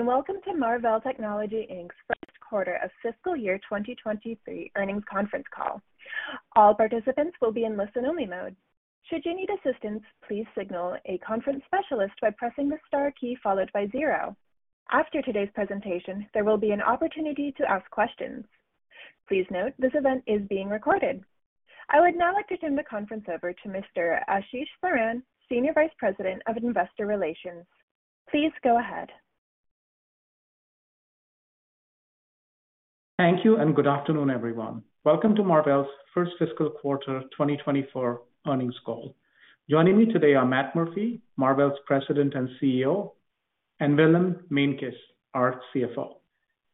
Welcome to Marvell Technology Inc Q1 of fiscal year 2023 Earnings Conference call. All participants will be in listen-only mode. Should you need assistance, please signal a conference specialist by pressing the star key followed by 0. After today's presentation, there will be an opportunity to ask questions. Please note, this event is being recorded. I would now like to turn the conference over to Mr. Ashish Saran, Senior Vice President of Investor Relations. Please go ahead. Thank you. Good afternoon, everyone. Welcome to Marvell's first fiscal quarter 2024 earnings call. Joining me today are Matt Murphy, Marvell's President and CEO, and Willem Meintjes, our CFO.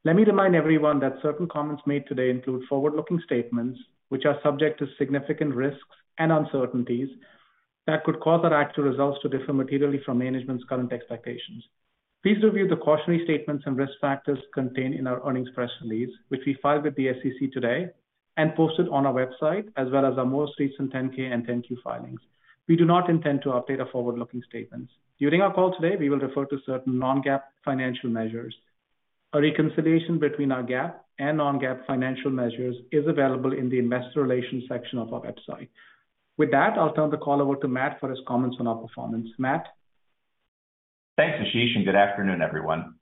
Let me remind everyone that certain comments made today include forward-looking statements, which are subject to significant risks and uncertainties that could cause our actual results to differ materially from management's current expectations. Please review the cautionary statements and risk factors contained in our earnings press release, which we filed with the SEC today and posted on our website, as well as our most recent 10-K and 10-Q filings. We do not intend to update our forward-looking statements. During our call today, we will refer to certain Non-GAAP financial measures. A reconciliation between our GAAP and Non-GAAP financial measures is available in the investor relations section of our website. With that, I'll turn the call over to Matt for his comments on our performance. Matt? Thanks, Ashish. Good afternoon, everyone.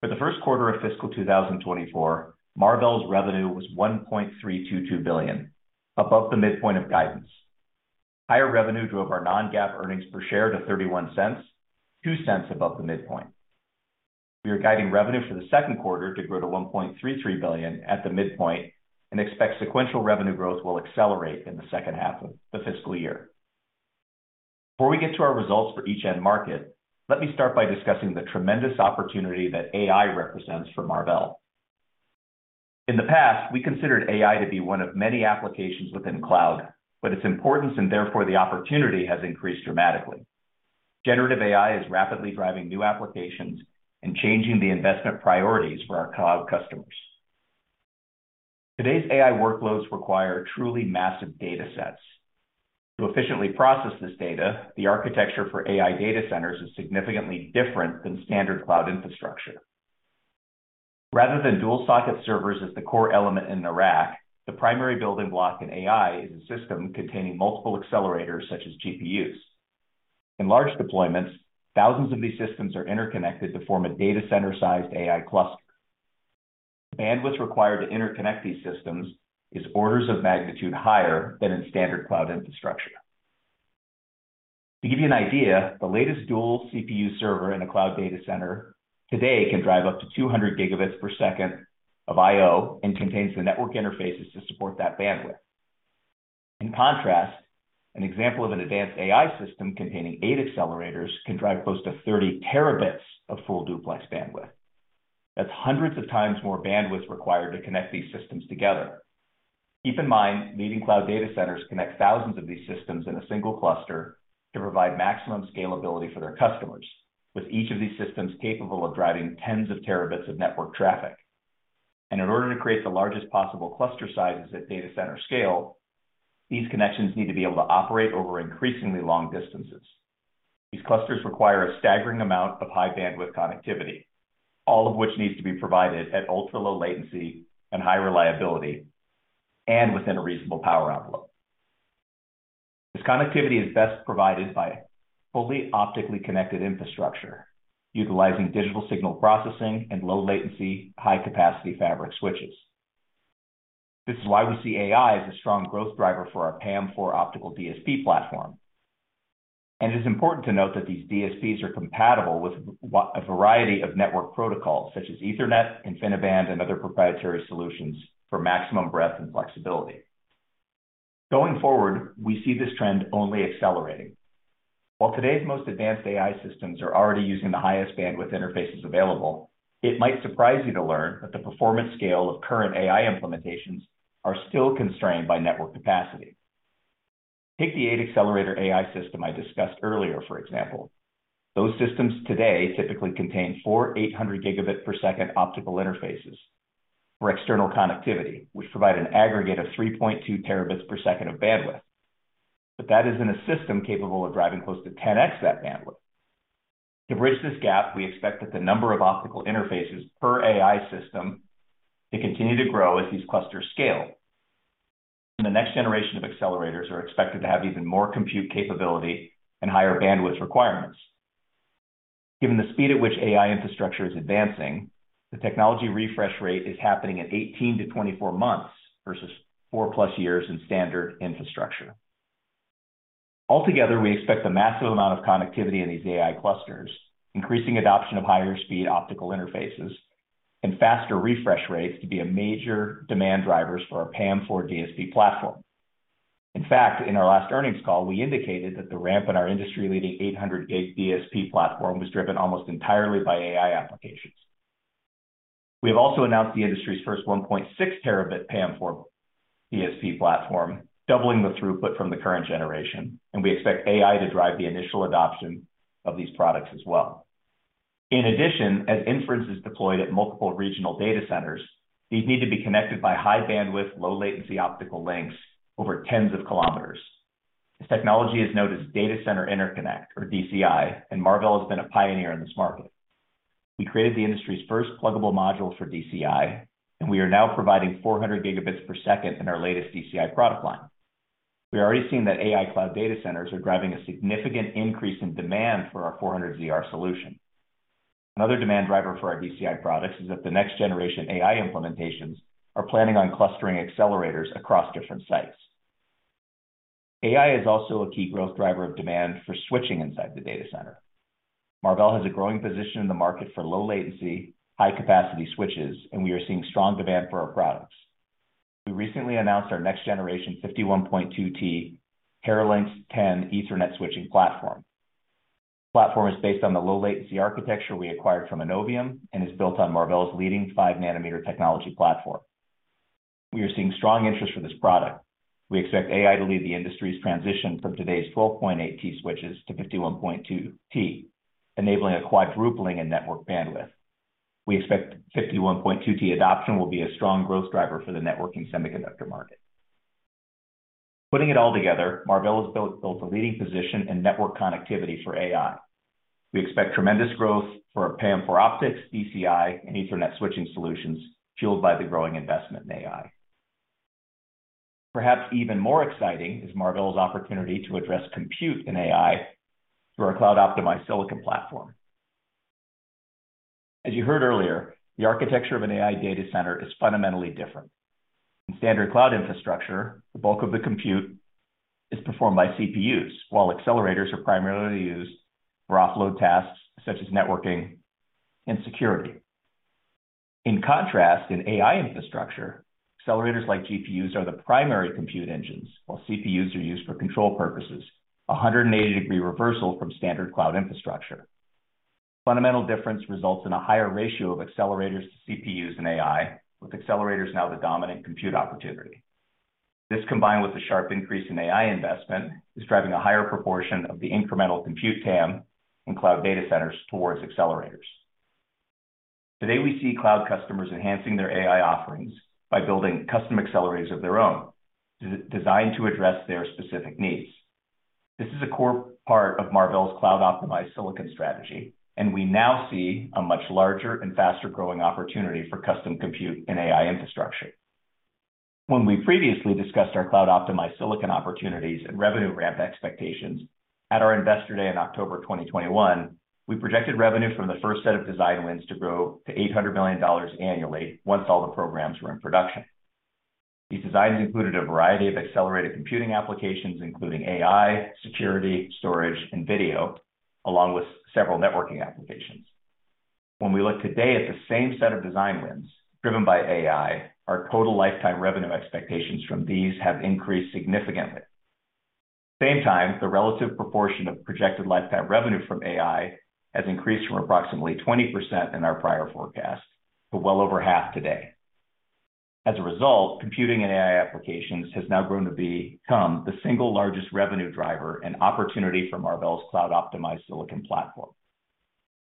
For the first quarter of fiscal 2024, Marvell's revenue was $1.322 billion, above the midpoint of guidance. Higher revenue drove our Non-GAAP earnings per share to $0.31, $0.02 above the midpoint. We are guiding revenue for the second quarter to grow to $1.33 billion at the midpoint and expect sequential revenue growth will accelerate in the H2 of the fiscal year. Before we get to our results for each end market, let me start by discussing the tremendous opportunity that AI represents for Marvell. In the past, we considered AI to be one of many applications within cloud, its importance and therefore the opportunity has increased dramatically. Generative AI is rapidly driving new applications and changing the investment priorities for our cloud customers. Today's AI workloads require truly massive data sets. To efficiently process this data, the architecture for AI data centers is significantly different than standard cloud infrastructure. Rather than dual-socket servers as the core element in the rack, the primary building block in AI is a system containing multiple accelerators, such as GPUs. In large deployments, thousands of these systems are interconnected to form a data center-sized AI cluster. The bandwidth required to interconnect these systems is orders of magnitude higher than in standard cloud infrastructure. To give you an idea, the latest dual CPU server in a cloud data center today can drive up to 200 Gbps of IO and contains the network interfaces to support that bandwidth. In contrast, an example of an advanced AI system containing eight accelerators can drive close to 30Tb of full duplex bandwidth. That's hundreds of times more bandwidth required to connect these systems together. Keep in mind, leading cloud data centers connect thousands of these systems in a single cluster to provide maximum scalability for their customers, with each of these systems capable of driving tens of terabits of network traffic. In order to create the largest possible cluster sizes at data center scale, these connections need to be able to operate over increasingly long distances. These clusters require a staggering amount of high-bandwidth connectivity, all of which needs to be provided at ultra-low latency and high reliability, and within a reasonable power envelope. This connectivity is best provided by fully optically connected infrastructure, utilizing digital signal processing and low latency, high capacity fabric switches. This is why we see AI as a strong growth driver for our PAM4 optical DSP platform. It is important to note that these DSPs are compatible with a variety of network protocols, such as Ethernet, InfiniBand, and other proprietary solutions for maximum breadth and flexibility. Going forward, we see this trend only accelerating. While today's most advanced AI systems are already using the highest bandwidth interfaces available, it might surprise you to learn that the performance scale of current AI implementations are still constrained by network capacity. Take the eight accelerator AI system I discussed earlier, for example. Those systems today typically contain 4 800 Gbps optical interfaces for external connectivity, which provide an aggregate of 3.2 Tbps of bandwidth. That is in a system capable of driving close to 10x that bandwidth. To bridge this gap, we expect that the number of optical interfaces per AI system to continue to grow as these clusters scale. The next generation of accelerators are expected to have even more compute capability and higher bandwidth requirements. Given the speed at which AI infrastructure is advancing, the technology refresh rate is happening at 18-24 months, versus 4+ years in standard infrastructure. Altogether, we expect the massive amount of connectivity in these AI clusters, increasing adoption of higher speed optical interfaces and faster refresh rates to be a major demand drivers for our PAM4 DSP platform. In fact, in our last earnings call, we indicated that the ramp in our industry-leading 800 gate DSP platform was driven almost entirely by AI applications. We have also announced the industry's first 1.6 Tb PAM4 DSP platform, doubling the throughput from the current generation. We expect AI to drive the initial adoption of these products as well. As inference is deployed at multiple regional data centers, these need to be connected by high bandwidth, low latency optical links over tens of kilometers. This technology is known as Data Center Interconnect, or DCI. Marvell has been a pioneer in this market. We created the industry's first pluggable module for DCI. We are now providing 400 Gbps in our latest DCI product line. We are already seeing that AI cloud data centers are driving a significant increase in demand for our 400ZR solution. Another demand driver for our DCI products is that the next generation AI implementations are planning on clustering accelerators across different sites. AI is also a key growth driver of demand for switching inside the data center. Marvell has a growing position in the market for low latency, high capacity switches, and we are seeing strong demand for our products. We recently announced our next generation 51.2T Teralynx 10 Ethernet switching platform. The platform is based on the low latency architecture we acquired from Innovium and is built on Marvell's leading 5-nanometer technology platform. We are seeing strong interest for this product. We expect AI to lead the industry's transition from today's 12.8T switches to 51.2T, enabling a quadrupling in network bandwidth. We expect 51.2T adoption will be a strong growth driver for the networking semiconductor market. Putting it all together, Marvell has built a leading position in network connectivity for AI. We expect tremendous growth for our PAM-4 optics, DCI, and Ethernet switching solutions, fueled by the growing investment in AI. Perhaps even more exciting is Marvell's opportunity to address compute in AI through our cloud-optimized silicon platform. As you heard earlier, the architecture of an AI data center is fundamentally different. In standard cloud infrastructure, the bulk of the compute is performed by CPUs, while accelerators are primarily used for offload tasks such as networking and security. In contrast, in AI infrastructure, accelerators like GPUs are the primary compute engines, while CPUs are used for control purposes, a 180-degree reversal from standard cloud infrastructure. Fundamental difference results in a higher ratio of accelerators to CPUs and AI, with accelerators now the dominant compute opportunity. This, combined with a sharp increase in AI investment, is driving a higher proportion of the incremental compute TAM in cloud data centers towards accelerators. Today, we see cloud customers enhancing their AI offerings by building custom accelerators of their own, designed to address their specific needs. This is a core part of Marvell's cloud-optimized silicon strategy, and we now see a much larger and faster-growing opportunity for custom compute and AI infrastructure. When we previously discussed our cloud-optimized silicon opportunities and revenue ramp expectations at our Investor Day in October 2021, we projected revenue from the first set of design wins to grow to $800 million annually once all the programs were in production. These designs included a variety of accelerated computing applications, including AI, security, storage, and video, along with several networking applications. When we look today at the same set of design wins driven by AI, our total lifetime revenue expectations from these have increased significantly. At the same time, the relative proportion of projected lifetime revenue from AI has increased from approximately 20% in our prior forecast to well over half today. Computing and AI applications has now grown to become the single largest revenue driver and opportunity for Marvell's cloud-optimized silicon platform.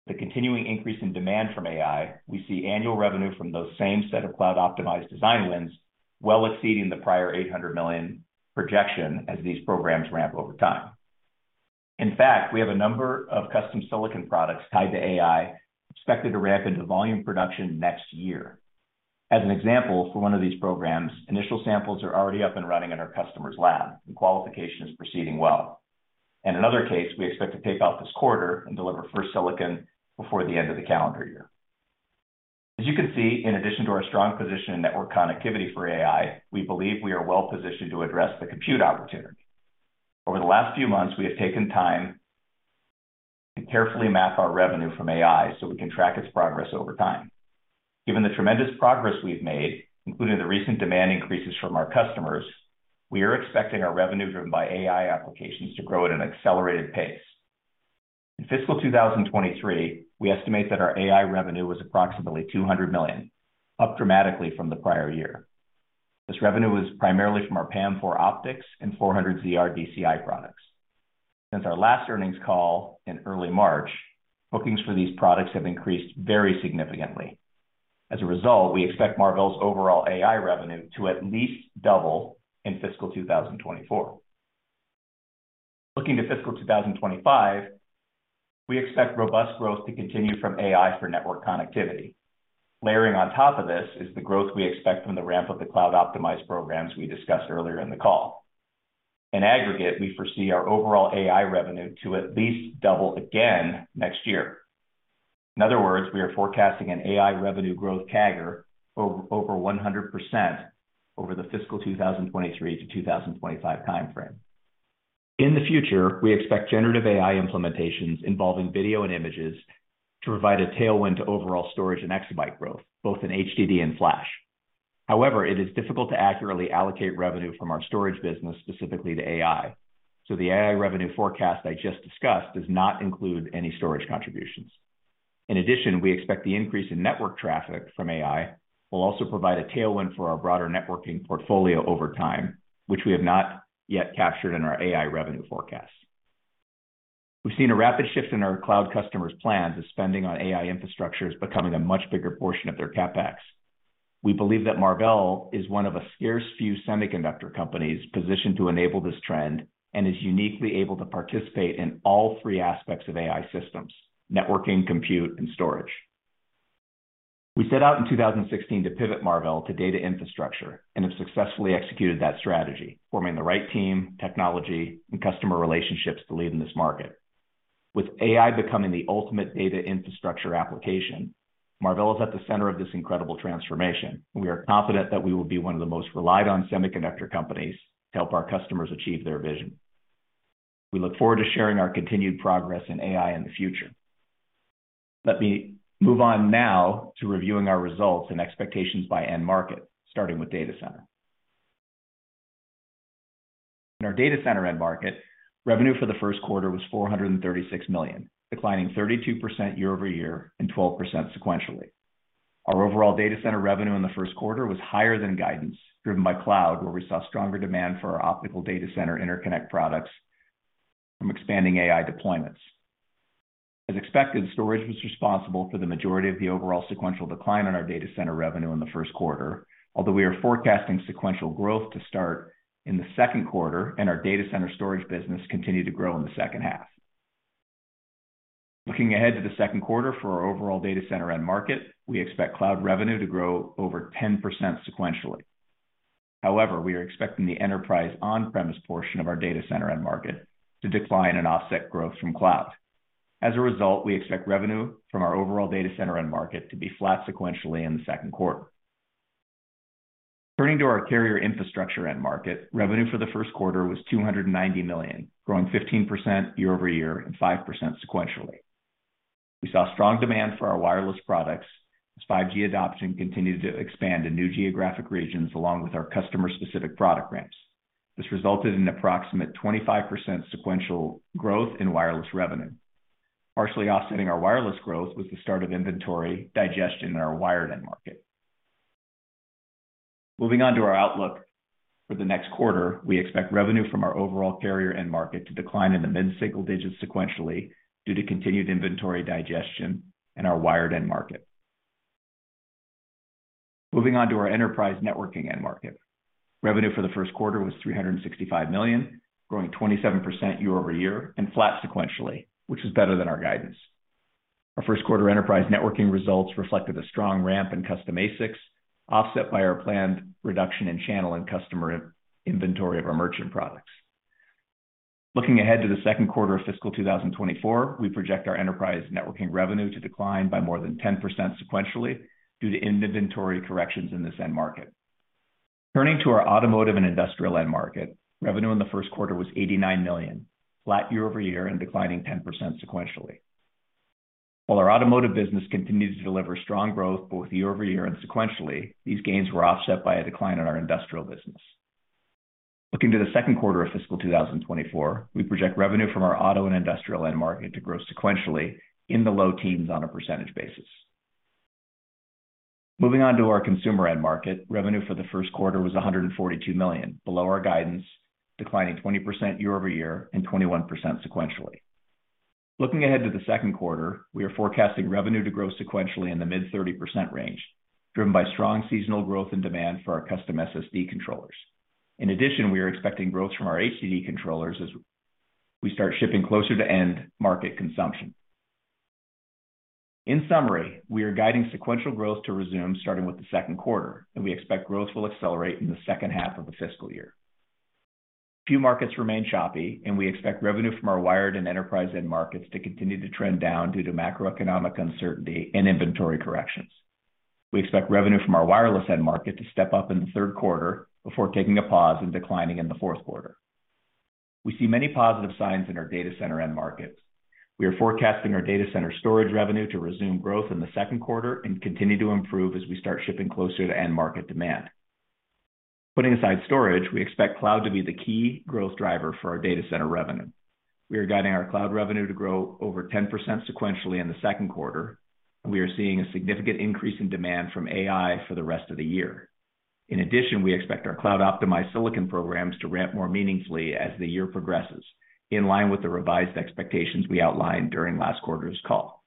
The continuing increase in demand from AI, we see annual revenue from those same set of cloud-optimized design wins well exceeding the prior $800 million projection as these programs ramp over time. We have a number of custom silicon products tied to AI, expected to ramp into volume production next year. As an example, for one of these programs, initial samples are already up and running in our customer's lab, and qualification is proceeding well. In another case, we expect to tape out this quarter and deliver first silicon before the end of the calendar year. As you can see, in addition to our strong position in network connectivity for AI, we believe we are well positioned to address the compute opportunity. Over the last few months, we have taken time to carefully map our revenue from AI so we can track its progress over time. Given the tremendous progress we've made, including the recent demand increases from our customers, we are expecting our revenue driven by AI applications to grow at an accelerated pace. In fiscal 2023, we estimate that our AI revenue was approximately $200 million, up dramatically from the prior year. This revenue was primarily from our PAM 4 optics and 400ZR DCI products. Since our last earnings call in early March, bookings for these products have increased very significantly. As a result, we expect Marvell's overall AI revenue to at least double in fiscal 2024. Looking to fiscal 2025, we expect robust growth to continue from AI for network connectivity. Layering on top of this is the growth we expect from the ramp of the cloud-optimized programs we discussed earlier in the call. In aggregate, we foresee our overall AI revenue to at least double again next year. In other words, we are forecasting an AI revenue growth CAGR over 100% over the fiscal 2023-2025 time-frame. In the future, we expect generative AI implementations involving video and images to provide a tailwind to overall storage and exabyte growth, both in HDD and flash. It is difficult to accurately allocate revenue from our storage business specifically to AI, so the AI revenue forecast I just discussed does not include any storage contributions. We expect the increase in network traffic from AI will also provide a tailwind for our broader networking portfolio over time, which we have not yet captured in our AI revenue forecast. We've seen a rapid shift in our cloud customers' plans, as spending on AI infrastructure is becoming a much bigger portion of their CapEx. We believe that Marvell is one of a scarce few semiconductor companies positioned to enable this trend, and is uniquely able to participate in all three aspects of AI systems: networking, compute, and storage. We set out in 2016 to pivot Marvell to data infrastructure and have successfully executed that strategy, forming the right team, technology, and customer relationships to lead in this market. With AI becoming the ultimate data infrastructure application, Marvell is at the center of this incredible transformation. We are confident that we will be one of the most relied-on semiconductor companies to help our customers achieve their vision. We look forward to sharing our continued progress in AI in the future. Let me move on now to reviewing our results and expectations by end market, starting with data center. In our data center end market, revenue for the first quarter was $436 million, declining 32% year-over-year and 12% sequentially. Our overall data center revenue in the Q1 was higher than guidance, driven by cloud, where we saw stronger demand for our optical Data Center Interconnect products from expanding AI deployments. As expected, storage was responsible for the majority of the overall sequential decline on our data center revenue in the first quarter, although we are forecasting sequential growth to start in the Q2 and our data center storage business continue to grow in the H2. Looking ahead to the second quarter for our overall data center end market, we expect cloud revenue to grow over 10% sequentially. However, we are expecting the enterprise on-premise portion of our data center end market to decline and offset growth from cloud. As a result, we expect revenue from our overall data center end market to be flat sequentially in the Q2. Turning to our carrier infrastructure end market, revenue for the first quarter was $290 million, growing 15% year-over-year and 5% sequentially. We saw strong demand for our wireless products as 5G adoption continued to expand in new geographic regions, along with our customer-specific product ramps. This resulted in approximate 25% sequential growth in wireless revenue. Partially offsetting our wireless growth was the start of inventory digestion in our wired end market. Moving on to our outlook for the next quarter, we expect revenue from our overall carrier end market to decline in the mid-single digits sequentially, due to continued inventory digestion in our wired end market. Moving on to our enterprise networking end market. Revenue for the Q1 was $365 million, growing 27% year-over-year and flat sequentially, which is better than our guidance. Our Q1 enterprise networking results reflected a strong ramp in custom ASICs, offset by our planned reduction in channel and customer in-inventory of our merchant products. Looking ahead to the Q2 of fiscal 2024, we project our enterprise networking revenue to decline by more than 10% sequentially due to inventory corrections in this end market. Turning to our automotive and industrial end market, revenue in the first quarter was $89 million, flat year-over-year and declining 10% sequentially. While our automotive business continues to deliver strong growth both year-over-year and sequentially, these gains were offset by a decline in our industrial business. Looking to the second quarter of fiscal 2024, we project revenue from our auto and industrial end market to grow sequentially in the low teens on a percentage basis. Moving on to our consumer end market, revenue for the Q1 was $142 million, below our guidance, declining 20% year-over-year and 21% sequentially. Looking ahead to the Q2, we are forecasting revenue to grow sequentially in the mid-30% range, driven by strong seasonal growth and demand for our custom SSD controllers. In addition, we are expecting growth from our HDD controllers as we start shipping closer to end market consumption. In summary, we are guiding sequential growth to resume starting with the Q2, and we expect growth will accelerate in the H2 of the fiscal year. A few markets remain choppy, and we expect revenue from our wired and enterprise end markets to continue to trend down due to macroeconomic uncertainty and inventory corrections. We expect revenue from our wireless end market to step up in Q3 before taking a pause and declining in the Q4. We see many positive signs in our data center end markets. We are forecasting our data center storage revenue to resume growth in the Q2 and continue to improve as we start shipping closer to end market demand. Putting aside storage, we expect cloud to be the key growth driver for our data center revenue. We are guiding our cloud revenue to grow over 10% sequentially in theQ2, and we are seeing a significant increase in demand from AI for the rest of the year. In addition, we expect our cloud-optimized silicon programs to ramp more meaningfully as the year progresses, in line with the revised expectations we outlined during last quarter's call.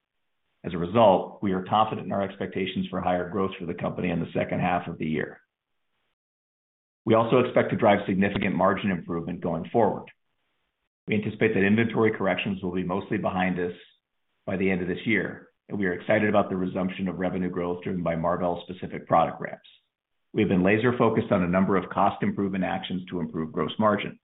We are confident in our expectations for higher growth for the company in the second half of the year. We also expect to drive significant margin improvement going forward. We anticipate that inventory corrections will be mostly behind us by the end of this year, and we are excited about the resumption of revenue growth driven by Marvell-specific product ramps. We have been laser-focused on a number of cost improvement actions to improve gross margin.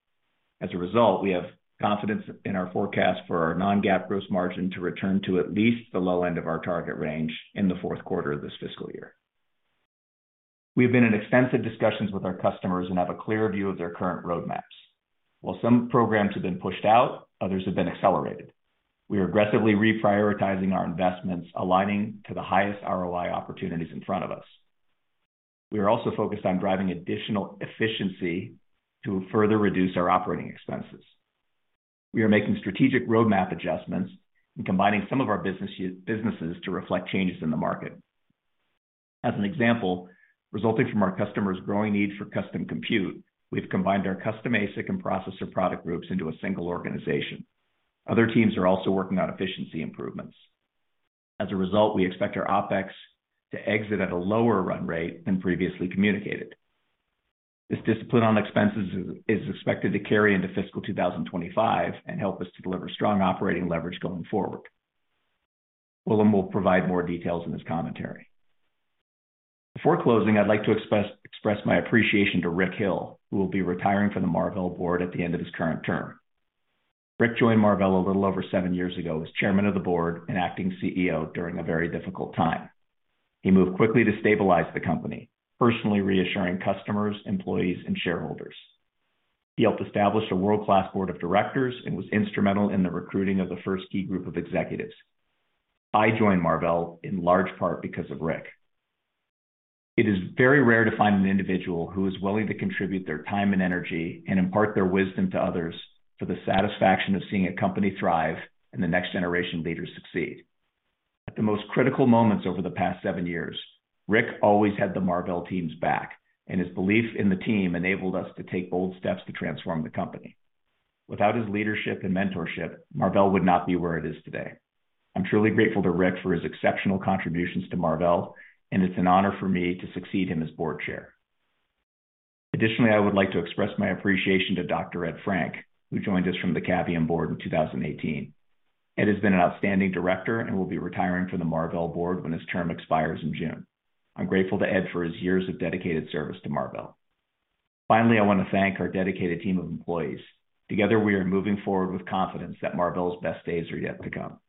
We have confidence in our forecast for our Non-GAAP gross margin to return to at least the low end of our target range in the Q4 of this fiscal year. We have been in extensive discussions with our customers and have a clear view of their current roadmaps. While some programs have been pushed out, others have been accelerated. We are aggressively reprioritizing our investments, aligning to the highest ROI opportunities in front of us. We are also focused on driving additional efficiency to further reduce our operating expenses. We are making strategic roadmap adjustments and combining some of our businesses to reflect changes in the market. Resulting from our customers' growing need for custom compute, we've combined our custom ASIC and processor product groups into a single organization. Other teams are also working on efficiency improvements. We expect our OpEx to exit at a lower run rate than previously communicated. This discipline on expenses is expected to carry into fiscal 2025 and help us to deliver strong operating leverage going forward. Willem will provide more details in his commentary. Before closing, I'd like to express my appreciation to Rick Hill, who will be retiring from the Marvell Board at the end of his current term. Rick joined Marvell a little over seven years ago as Chairman of the Board and Acting CEO during a very difficult time. He moved quickly to stabilize the company, personally reassuring customers, employees and shareholders. He helped establish a world-class board of directors and was instrumental in the recruiting of the first key group of executives. I joined Marvell in large part because of Rick. It is very rare to find an individual who is willing to contribute their time and energy and impart their wisdom to others for the satisfaction of seeing a company thrive and the next generation leaders succeed. At the most critical moments over the past seven years, Rick always had the Marvell teams back. His belief in the team enabled us to take bold steps to transform the company. Without his leadership and mentorship, Marvell would not be where it is today. I'm truly grateful to Rick for his exceptional contributions to Marvell. It's an honor for me to succeed him as board chair. Additionally, I would like to express my appreciation to Dr. Ed Frank, who joined us from the Cavium Board in 2018. Ed has been an outstanding director and will be retiring from the Marvell board when his term expires in June. I'm grateful to Ed for his years of dedicated service to Marvell. Finally, I want to thank our dedicated team of employees. Together, we are moving forward with confidence that Marvell's best days are yet to come.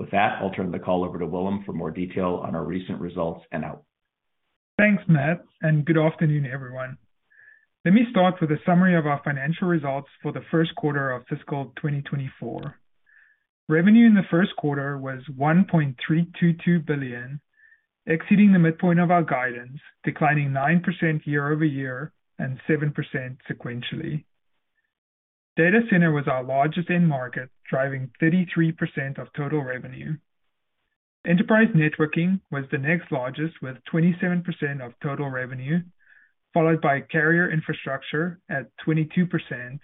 With that, I'll turn the call over to Willem for more detail on our recent results and out. Thanks, Matt. Good afternoon, everyone. Let me start with a summary of our financial results for the first quarter of fiscal 2024. Revenue in the first quarter was $1.322 billion, exceeding the midpoint of our guidance, declining 9% year-over-year and 7% sequentially. Data Center was our largest end market, driving 33% of total revenue. Enterprise networking was the next largest, with 27% of total revenue, followed by carrier infrastructure at 22%,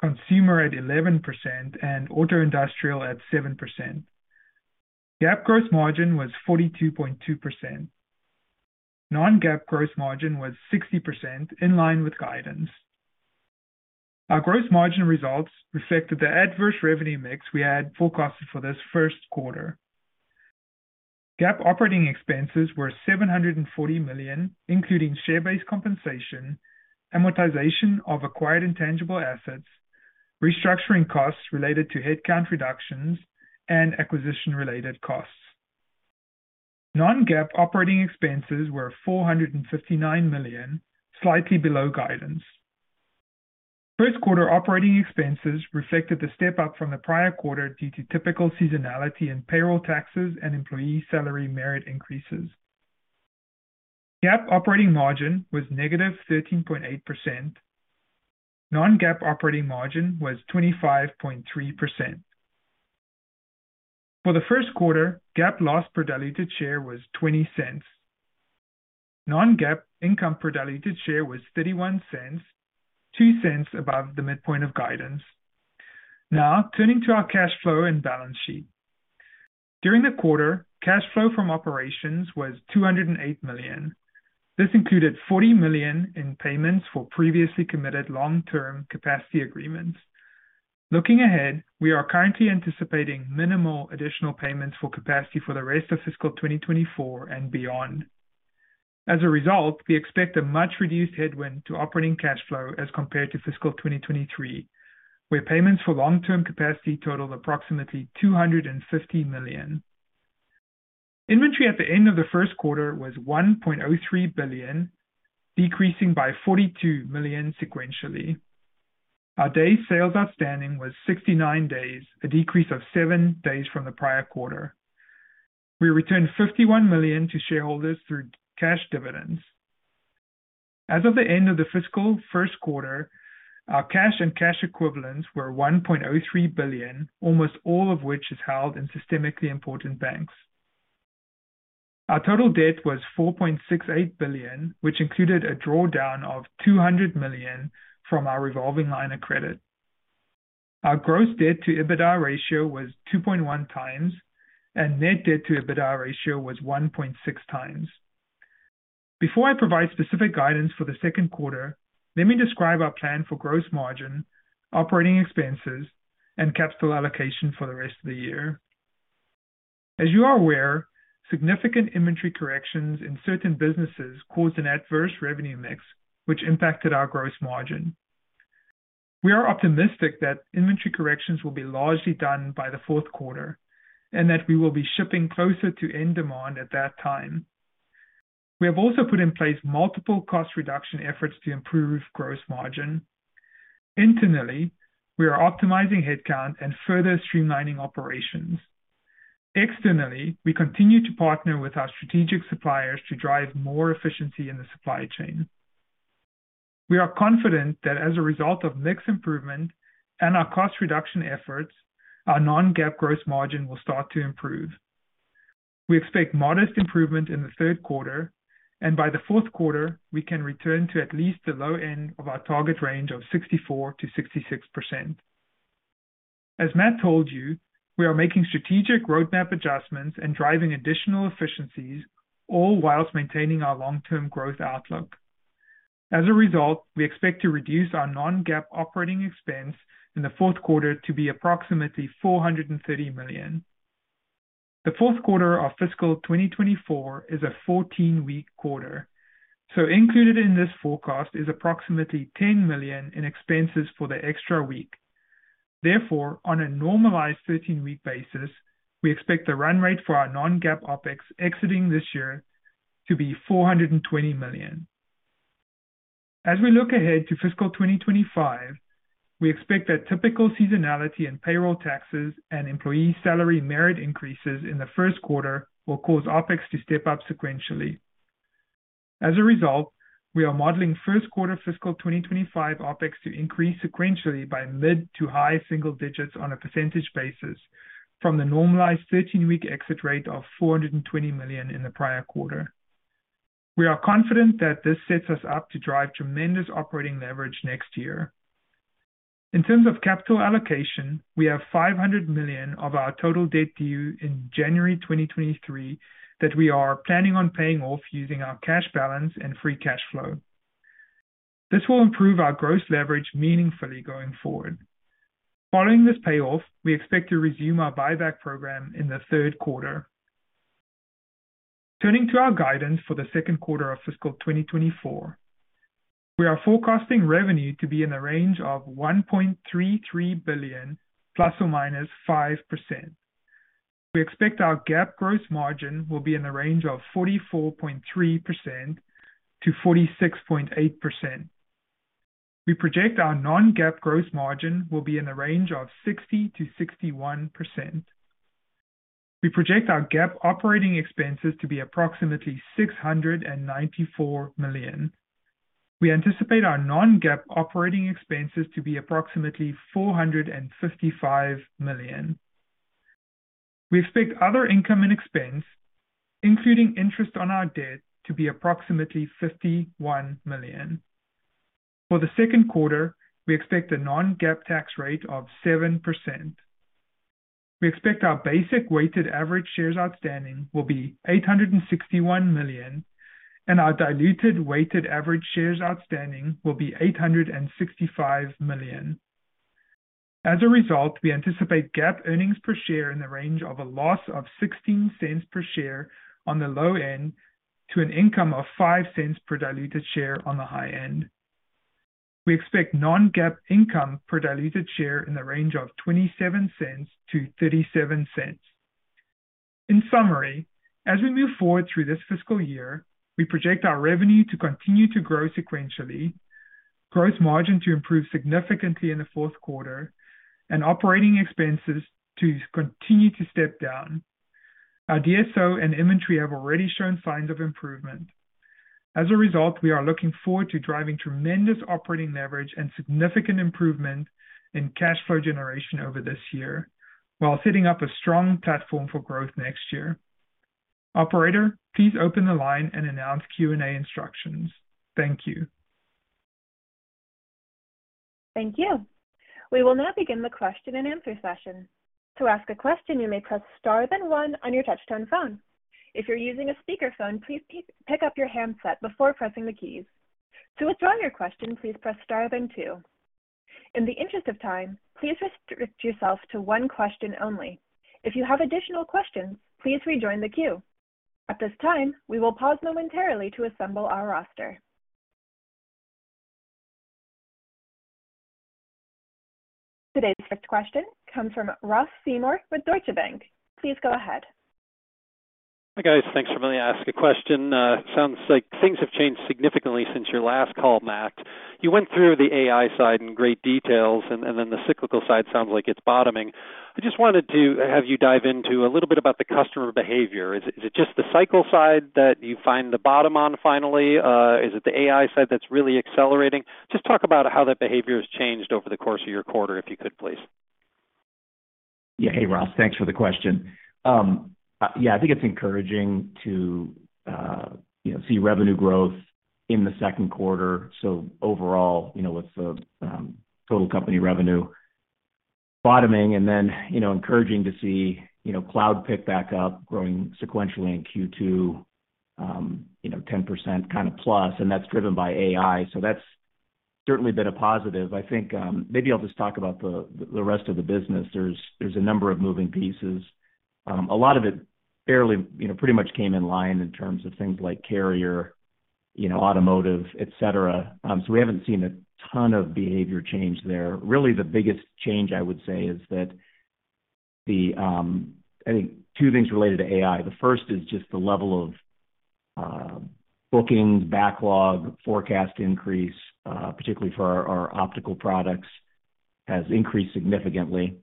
consumer at 11%, and auto industrial at 7%. GAAP gross margin was 42.2%. Non-GAAP gross margin was 60%, in line with guidance. Our gross margin results reflected the adverse revenue mix we had forecasted for this first quarter. GAAP operating expenses were $740 million, including share-based compensation, amortization of acquired intangible assets, restructuring costs related to headcount reductions, and acquisition-related costs. non-GAAP operating expenses were $459 million, slightly below guidance. First quarter operating expenses reflected the step-up from the prior quarter due to typical seasonality in payroll taxes and employee salary merit increases. GAAP operating margin was negative 13.8%. Non-GAAP operating margin was 25.3%. For the Q1, GAAP loss per diluted share was $0.20. Non-GAAP income per diluted share was $0.31, $0.02 above the midpoint of guidance. Now, turning to our cash flow and balance sheet. During the quarter, cash flow from operations was $208 million. This included $40 million in payments for previously committed long-term capacity agreements. Looking ahead, we are currently anticipating minimal additional payments for capacity for the rest of fiscal 2024 and beyond. As a result, we expect a much-reduced headwind to operating cash flow as compared to fiscal 2023, where payments for long-term capacity totaled approximately $250 million. Inventory at the end of the first quarter was $1.03 billion, decreasing by $42 million sequentially. Our day sales outstanding was 69 days, a decrease of seven days from the prior quarter. We returned $51 million to shareholders through cash dividends. As of the end of the fiscal first quarter, our cash and cash equivalents were $1.03 billion, almost all of which is held in systemically important banks. Our total debt was $4.68 billion, which included a drawdown of $200 million from our revolving line of credit. Our gross debt to EBITDA ratio was 2.1 times, and net debt to EBITDA ratio was 1.6 times. Before I provide specific guidance for the second quarter, let me describe our plan for gross margin, operating expenses, and capital allocation for the rest of the year. As you are aware, significant inventory corrections in certain businesses caused an adverse revenue mix, which impacted our gross margin. We are optimistic that inventory corrections will be largely done by the fourth quarter and that we will be shipping closer to end demand at that time. We have also put in place multiple cost reduction efforts to improve gross margin. Internally, we are optimizing headcount and further streamlining operations. Externally, we continue to partner with our strategic suppliers to drive more efficiency in the supply chain. We are confident that as a result of mix improvement and our cost reduction efforts, our Non-GAAP gross margin will start to improve. We expect modest improvement in t Q3, and by theQ4, we can return to at least the low end of our target range of 64%-66%. As Matt told you, we are making strategic roadmap adjustments and driving additional efficiencies, all whilst maintaining our long-term growth outlook. We expect to reduce our Non-GAAP OpEx in Q4 to be approximately $430 million. The fourth quarter of fiscal 2024 is a 14-week quarter. Included in this forecast is approximately $10 million in expenses for the extra week. On a normalized 13-week basis, we expect the run rate for our Non-GAAP OpEx exiting this year to be $420 million. As we look ahead to fiscal 2025, we expect that typical seasonality in payroll taxes and employee salary merit increases in the first quarter will cause OpEx to step up sequentially. As a result, we are modeling first quarter fiscal 2025 OpEx to increase sequentially by mid-to-high single digits on a percentage basis from the normalized 13-week exit rate of $420 million in the prior quarter. We are confident that this sets us up to drive tremendous operating leverage next year. In terms of capital allocation, we have $5 million of our total debt due in January 2023, that we are planning on paying off using our cash balance and free cash flow. This will improve our gross leverage meaningfully going forward. Following this payoff, we expect to resume our buyback program in the Q3. Turning to our guidance for thQ2 of fiscal 2024, we are forecasting revenue to be in the range of $1.33 billion ±5%. We expect our GAAP gross margin will be in the range of 44.3%-46.8%. We project our Non-GAAP gross margin will be in the range of 60%-61%. We project our GAAP operating expenses to be approximately $694 million. We anticipate our Non-GAAP operating expenses to be approximately $455 million. We expect other income and expense, including interest on our debt, to be approximately $51 million. For the Q2, we expect a Non-GAAP tax rate of 7%. We expect our basic weighted average shares outstanding will be 861 million, and our diluted weighted average shares outstanding will be 865 million. As a result, we anticipate GAAP earnings per share in the range of a loss of $0.16 per share on the low end to an income of $0.05 per diluted share on the high end. We expect Non-GAAP income per diluted share in the range of $0.27 to $0.37. In summary, as we move forward through this fiscal year, we project our revenue to continue to grow sequentially, gross margin to improve significantly in the fourth quarter, and operating expenses to continue to step down. Our DSO and inventory have already shown signs of improvement. As a result, we are looking forward to driving tremendous operating leverage and significant improvement in cash flow generation over this year, while setting up a strong platform for growth next year. Operator, please open the line and announce Q&A instructions. Thank you. Thank you. We will now begin the question-and-answer session. To ask a question, you may press Star, then one on your touchtone phone. If you're using a speakerphone, please pick up your handset before pressing the keys. To withdraw your question, please press Star, then two. In the interest of time, please restrict yourself to one question only. If you have additional questions, please rejoin the queue. At this time, we will pause momentarily to assemble our roster. Today's first question comes from Ross Seymore with Deutsche Bank. Please go ahead. Hi, guys. Thanks for letting me ask a question. Sounds like things have changed significantly since your last call, Matt. You went through the AI side in great details, and then the cyclical side sounds like it's bottoming. I just wanted to have you dive into a little bit about the customer behavior. Is it just the cycle side that you find the bottom on finally? Is it the AI side that's really accelerating? Just talk about how that behavior has changed over the course of your quarter, if you could, please. Yeah. Hey, Ross. Thanks for the question. Yeah, I think it's encouraging to, you know, see revenue growth in the second quarter. Overall, you know, with the total company revenue bottoming, you know, encouraging to see, you know, cloud pick back up, growing sequentially in Q2, 10% kind of plus, that's driven by AI. That's certainly been a positive. I think maybe I'll just talk about the rest of the business. There's a number of moving pieces. A lot of it fairly, you know, pretty much came in line in terms of things like carrier, you know, automotive, et cetera. We haven't seen a ton of behavior change there. Really, the biggest change, I would say, is that I think two things related to AI. The first is just the level of bookings, backlog, forecast increase, particularly for our optical products, has increased significantly.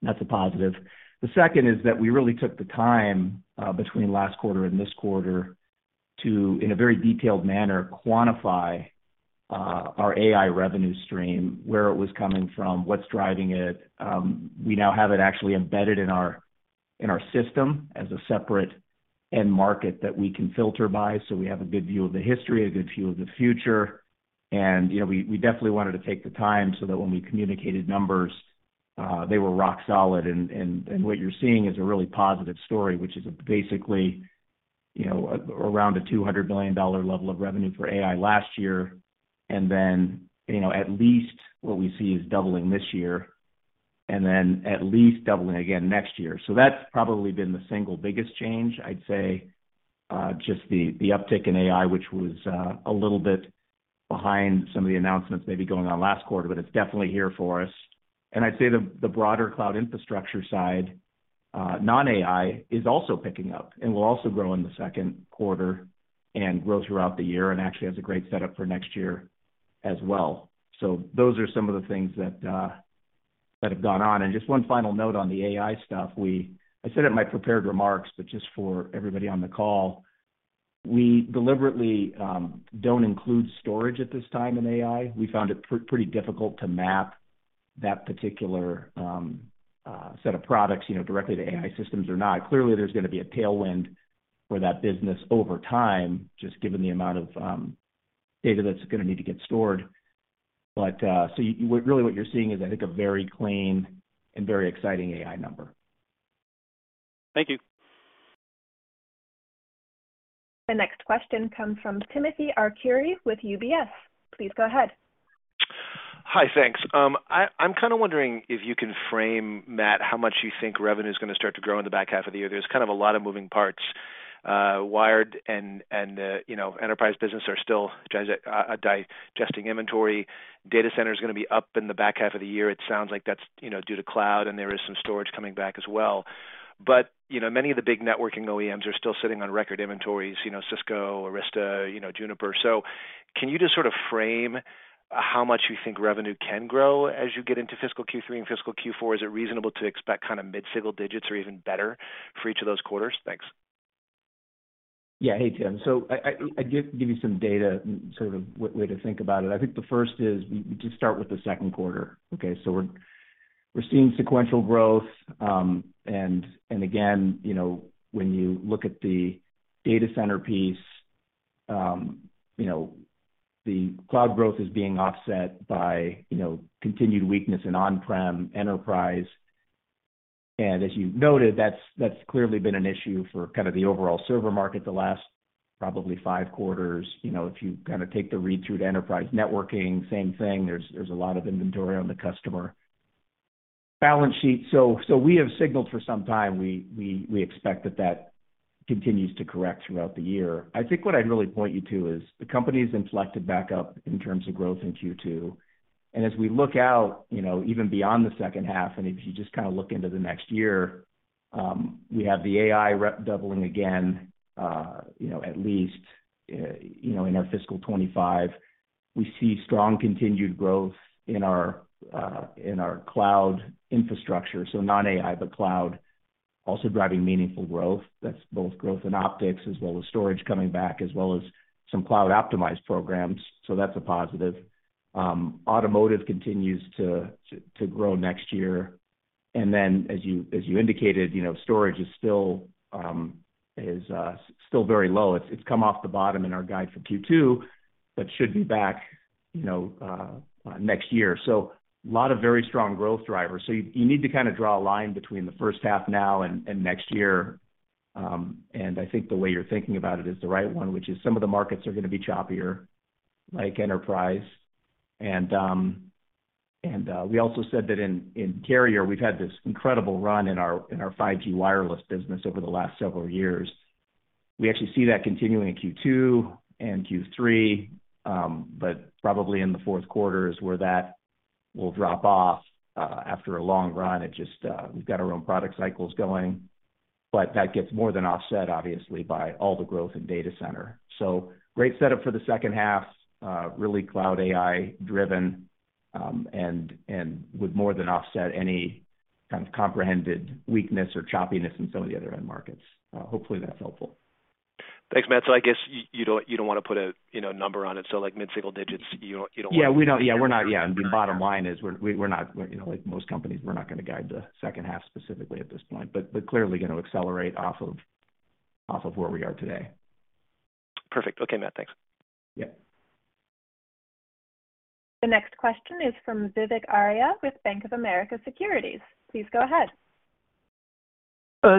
That's a positive. The second is that we really took the time between last quarter and this quarter to, in a very detailed manner, quantify our AI revenue stream, where it was coming from, what's driving it. We now have it actually embedded in our system as a separate end market that we can filter by, so we have a good view of the history, a good view of the future. You know, we definitely wanted to take the time so that when we communicated numbers, they were rock solid. What you're seeing is a really positive story, which is basically, you know, around a $200 billion level of revenue for AI last year. You know, at least what we see is doubling this year, and then at least doubling again next year. That's probably been the single biggest change, I'd say, just the uptick in AI, which was a little bit behind some of the announcements maybe going on last quarter, but it's definitely here for us. I'd say the broader cloud infrastructure side, non-AI, is also picking up and will also grow in the second quarter and grow throughout the year, and actually has a great setup for next year as well. Those are some of the things that have gone on. Just one final note on the AI stuff. I said it in my prepared remarks, but just for everybody on the call, we deliberately don't include storage at this time in AI. We found it pretty difficult to map that particular set of products, you know, directly to AI systems or not. Clearly, there's gonna be a tailwind for that business over time, just given the amount of data that's gonna need to get stored. really what you're seeing is, I think, a very clean and very exciting AI number. Thank you. The next question comes from Timothy Arcuri with UBS. Please go ahead. Hi, thanks. I'm kind of wondering if you can frame, Matt, how much you think revenue is gonna start to grow in the back half of the year. There's kind of a lot of moving parts. Wired and, you know, enterprise business are still digesting inventory. Data Center is gonna be up in the back half of the year. It sounds like that's, you know, due to cloud, and there is some storage coming back as well. You know, many of the big networking OEMs are still sitting on record inventories, you know, Cisco, Arista, you know, Juniper. Can you just sort of frame how much you think revenue can grow as you get into fiscal Q3 and fiscal Q4? Is it reasonable to expect kind of mid-single digits or even better for each of those quarters? Thanks. Yeah. Hey, Tim. I give you some data, sort of way to think about it. I think the first is, we just start with the second quarter, okay? We're seeing sequential growth. Again, you know, when you look at the data center piece, you know, the cloud growth is being offset by, you know, continued weakness in on-prem enterprise. As you noted, that's clearly been an issue for kind of the overall server market the last probably 5 quarters. You know, if you kind of take the read through to enterprise networking, same thing, there's a lot of inventory on the customer balance sheet. We have signaled for some time, we expect that that continues to correct throughout the year. I think what I'd really point you to is, the company's inflicted back up in terms of growth in Q2. As we look out, you know, even beyond the second half, and if you just kind of look into the next year, we have the AI rep doubling again, you know, at least, you know, in our fiscal 25. We see strong continued growth in our cloud infrastructure. Non-AI, but cloud also driving meaningful growth. That's both growth and optics, as well as storage coming back, as well as some cloud-optimized programs, so that's a positive. Automotive continues to grow next year. As you, as you indicated, you know, storage is still very low. It's come off the bottom in our guide for Q2, but should be back, you know, next year. A lot of very strong growth drivers. You need to kinda draw a line between the first half now and next year. I think the way you're thinking about it is the right one, which is some of the markets are gonna be choppier, like enterprise. We also said that in carrier, we've had this incredible run in our 5G wireless business over the last several years. We actually see that continuing in Q2 and Q3, but probably in the fourth quarter is where that will drop off after a long run. It just, we've got our own product cycles going. That gets more than offset, obviously, by all the growth in data center. Great setup for the second half, really cloud AI driven, and would more than offset any kind of comprehended weakness or choppiness in some of the other end markets. Hopefully, that's helpful. Thanks, Matt. I guess you don't wanna put a, you know, number on it. like, mid-single digits, you don't want... The bottom line is, we're not, you know, like most companies, we're not gonna guide the second half specifically at this point, but clearly gonna accelerate off of where we are today. Perfect. Okay, Matt, thanks. Yeah. The next question is from Vivek Arya with Bank of America Securities. Please go ahead.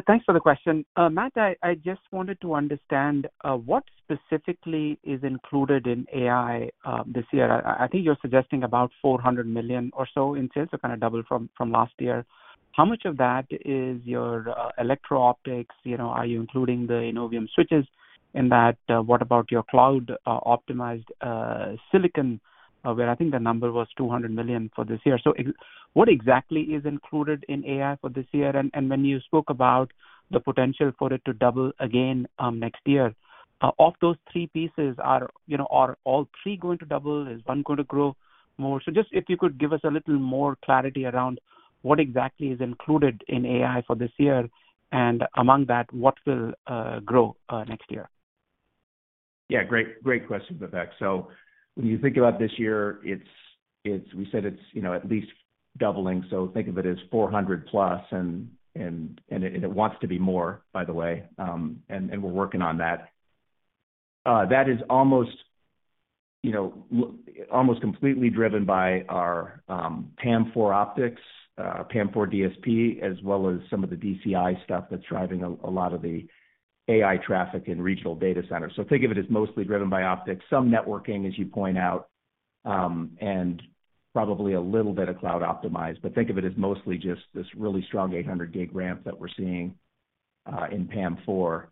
Thanks for the question. Matt, I just wanted to understand what specifically is included in AI this year? I think you're suggesting about $400 million or so in sales, so kind of double from last year. How much of that is your electro-optics? You know, are you including the Innovium switches in that? What about your cloud optimized silicon, where I think the number was $200 million for this year. What exactly is included in AI for this year? When you spoke about the potential for it to double again next year, of those three pieces, are, you know, are all three going to double? Is one going to grow?... more. Just if you could give us a little more clarity around what exactly is included in AI for this year, and among that, what will grow next year? Great, great question, Vivek. When you think about this year, we said it's, you know, at least doubling, think of it as 400+, and it wants to be more, by the way, and we're working on that. That is almost, you know, almost completely driven by our PAM4 optics, PAM4 DSP, as well as some of the DCI stuff that's driving a lot of the AI traffic in regional data centers. Think of it as mostly driven by optics, some networking, as you point out, and probably a little bit of cloud-optimized. Think of it as mostly just this really strong 800 gig ramp that we're seeing in PAM4.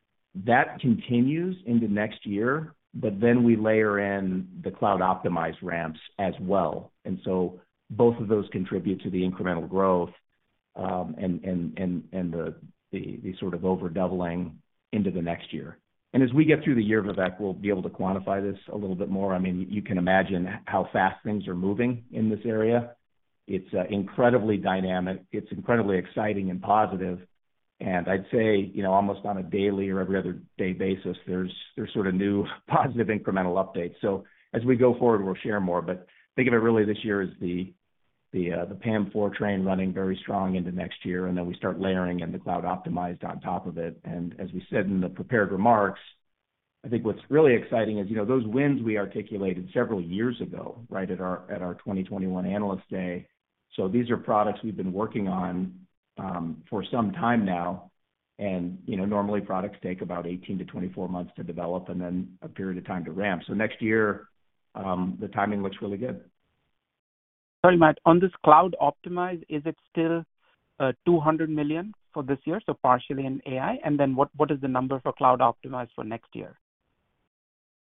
That continues into next year, we layer in the cloud-optimized ramps as well. Both of those contribute to the incremental growth, and the sort of over doubling into the next year. As we get through the year, Vivek, we'll be able to quantify this a little bit more. I mean, you can imagine how fast things are moving in this area. It's incredibly dynamic, it's incredibly exciting and positive, and I'd say, you know, almost on a daily or every other day basis, there's sort of new, positive incremental updates. As we go forward, we'll share more. Think of it really this year as the PAM4 train running very strong into next year, and then we start layering in the cloud optimized on top of it. As we said in the prepared remarks, I think what's really exciting is, you know, those wins we articulated several years ago, right, at our 2021 Analyst Day. These are products we've been working on for some time now, and, you know, normally products take about 18 to 24 months to develop and then a period of time to ramp. Next year, the timing looks really good. Sorry, Matt, on this cloud optimize, is it still, $200 million for this year, so partially in AI? What is the number for cloud optimize for next year?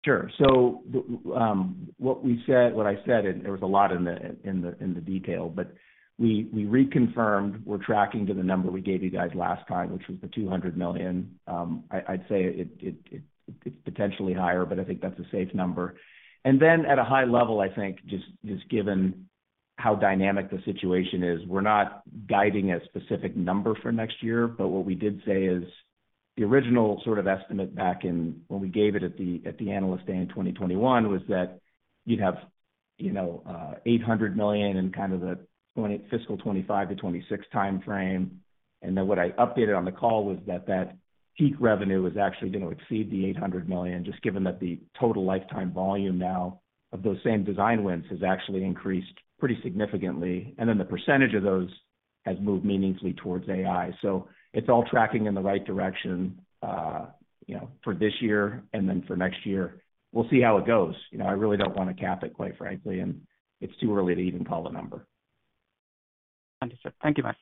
Sure. What I said, and there was a lot in the detail, we reconfirmed we're tracking to the number we gave you guys last time, which was the $200 million. I'd say it's potentially higher, but I think that's a safe number. At a high level, I think, just given how dynamic the situation is, we're not guiding a specific number for next year. What we did say is, the original sort of estimate when we gave it at the Analyst Day in 2021, was that you'd have, you know, $800 million in kind of the fiscal 2025-2026 timeframe. Then what I updated on the call was that that peak revenue was actually going to exceed the $800 million, just given that the total lifetime volume now of those same design wins has actually increased pretty significantly, and then the percentage of those has moved meaningfully towards AI. It's all tracking in the right direction, you know, for this year and then for next year. We'll see how it goes. You know, I really don't want to cap it, quite frankly, and it's too early to even call a number. Understood. Thank you, Matt.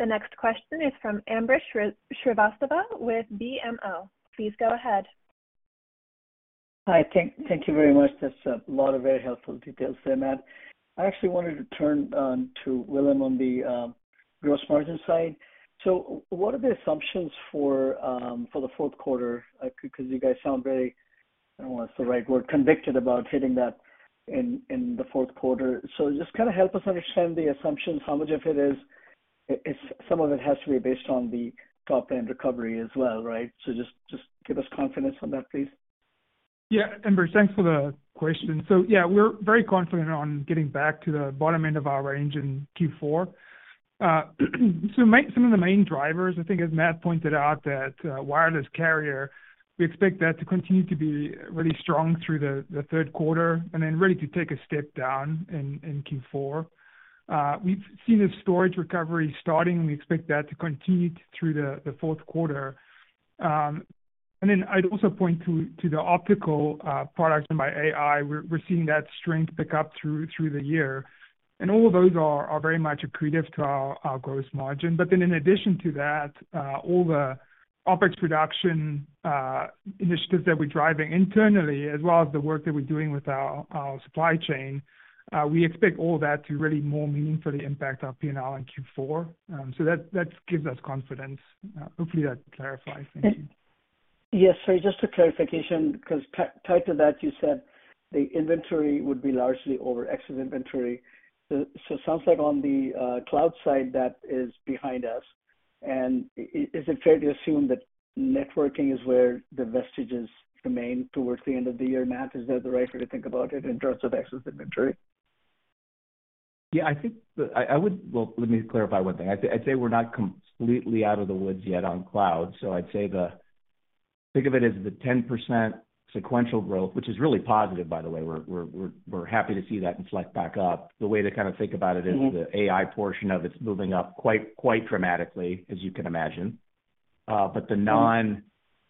The next question is from Ambrish Srivastava with BMO. Please go ahead. Hi, thank you very much. That's a lot of very helpful details there, Matt. I actually wanted to turn to Willem on the gross margin side. What are the assumptions for the fourth quarter? Because you guys sound very, I don't know what's the right word, convicted about hitting that in the fourth quarter. Just kind of help us understand the assumptions. How much of it if some of it has to be based on the top-end recovery as well, right? Just give us confidence on that, please. Yeah, Ambrish, thanks for the question. Yeah, we're very confident on getting back to the bottom end of our range in Q4. Some of the main drivers, I think, as Matt pointed out, that wireless carrier, we expect that to continue to be really strong through the third quarter and then really to take a step down in Q4. We've seen a storage recovery starting, we expect that to continue through the fourth quarter. Then I'd also point to the optical products and by AI, we're seeing that strength pick up through the year. All of those are very much accretive to our gross margin. In addition to that, all the OpEx reduction initiatives that we're driving internally, as well as the work that we're doing with our supply chain, we expect all that to really more meaningfully impact our PNL in Q4. That gives us confidence. Hopefully, that clarifies. Thank you. Yes, sorry, just for clarification, because tied to that, you said the inventory would be largely over excess inventory. It sounds like on the cloud side, that is behind us. Is it fair to assume that networking is where the vestiges remain towards the end of the year, Matt? Is that the right way to think about it in terms of excess inventory? Yeah, I would. Well, let me clarify one thing. I'd say we're not completely out of the woods yet on cloud. I'd say think of it as the 10% sequential growth, which is really positive, by the way. We're happy to see that flex back up. The way to kind of think about it. is the AI portion of it's moving up quite dramatically, as you can imagine. The non-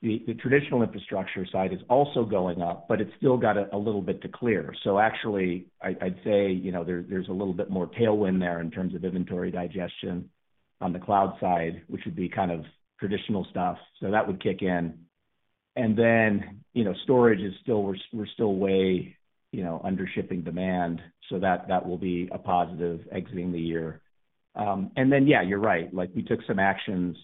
The traditional infrastructure side is also going up, but it's still got a little bit to clear. Actually, I'd say, you know, there's a little bit more tailwind there in terms of inventory digestion on the cloud side, which would be kind of traditional stuff, so that would kick in. Storage is still, we're still way, you know, under shipping demand, so that will be a positive exiting the year. Yeah, you're right. Like, we took some actions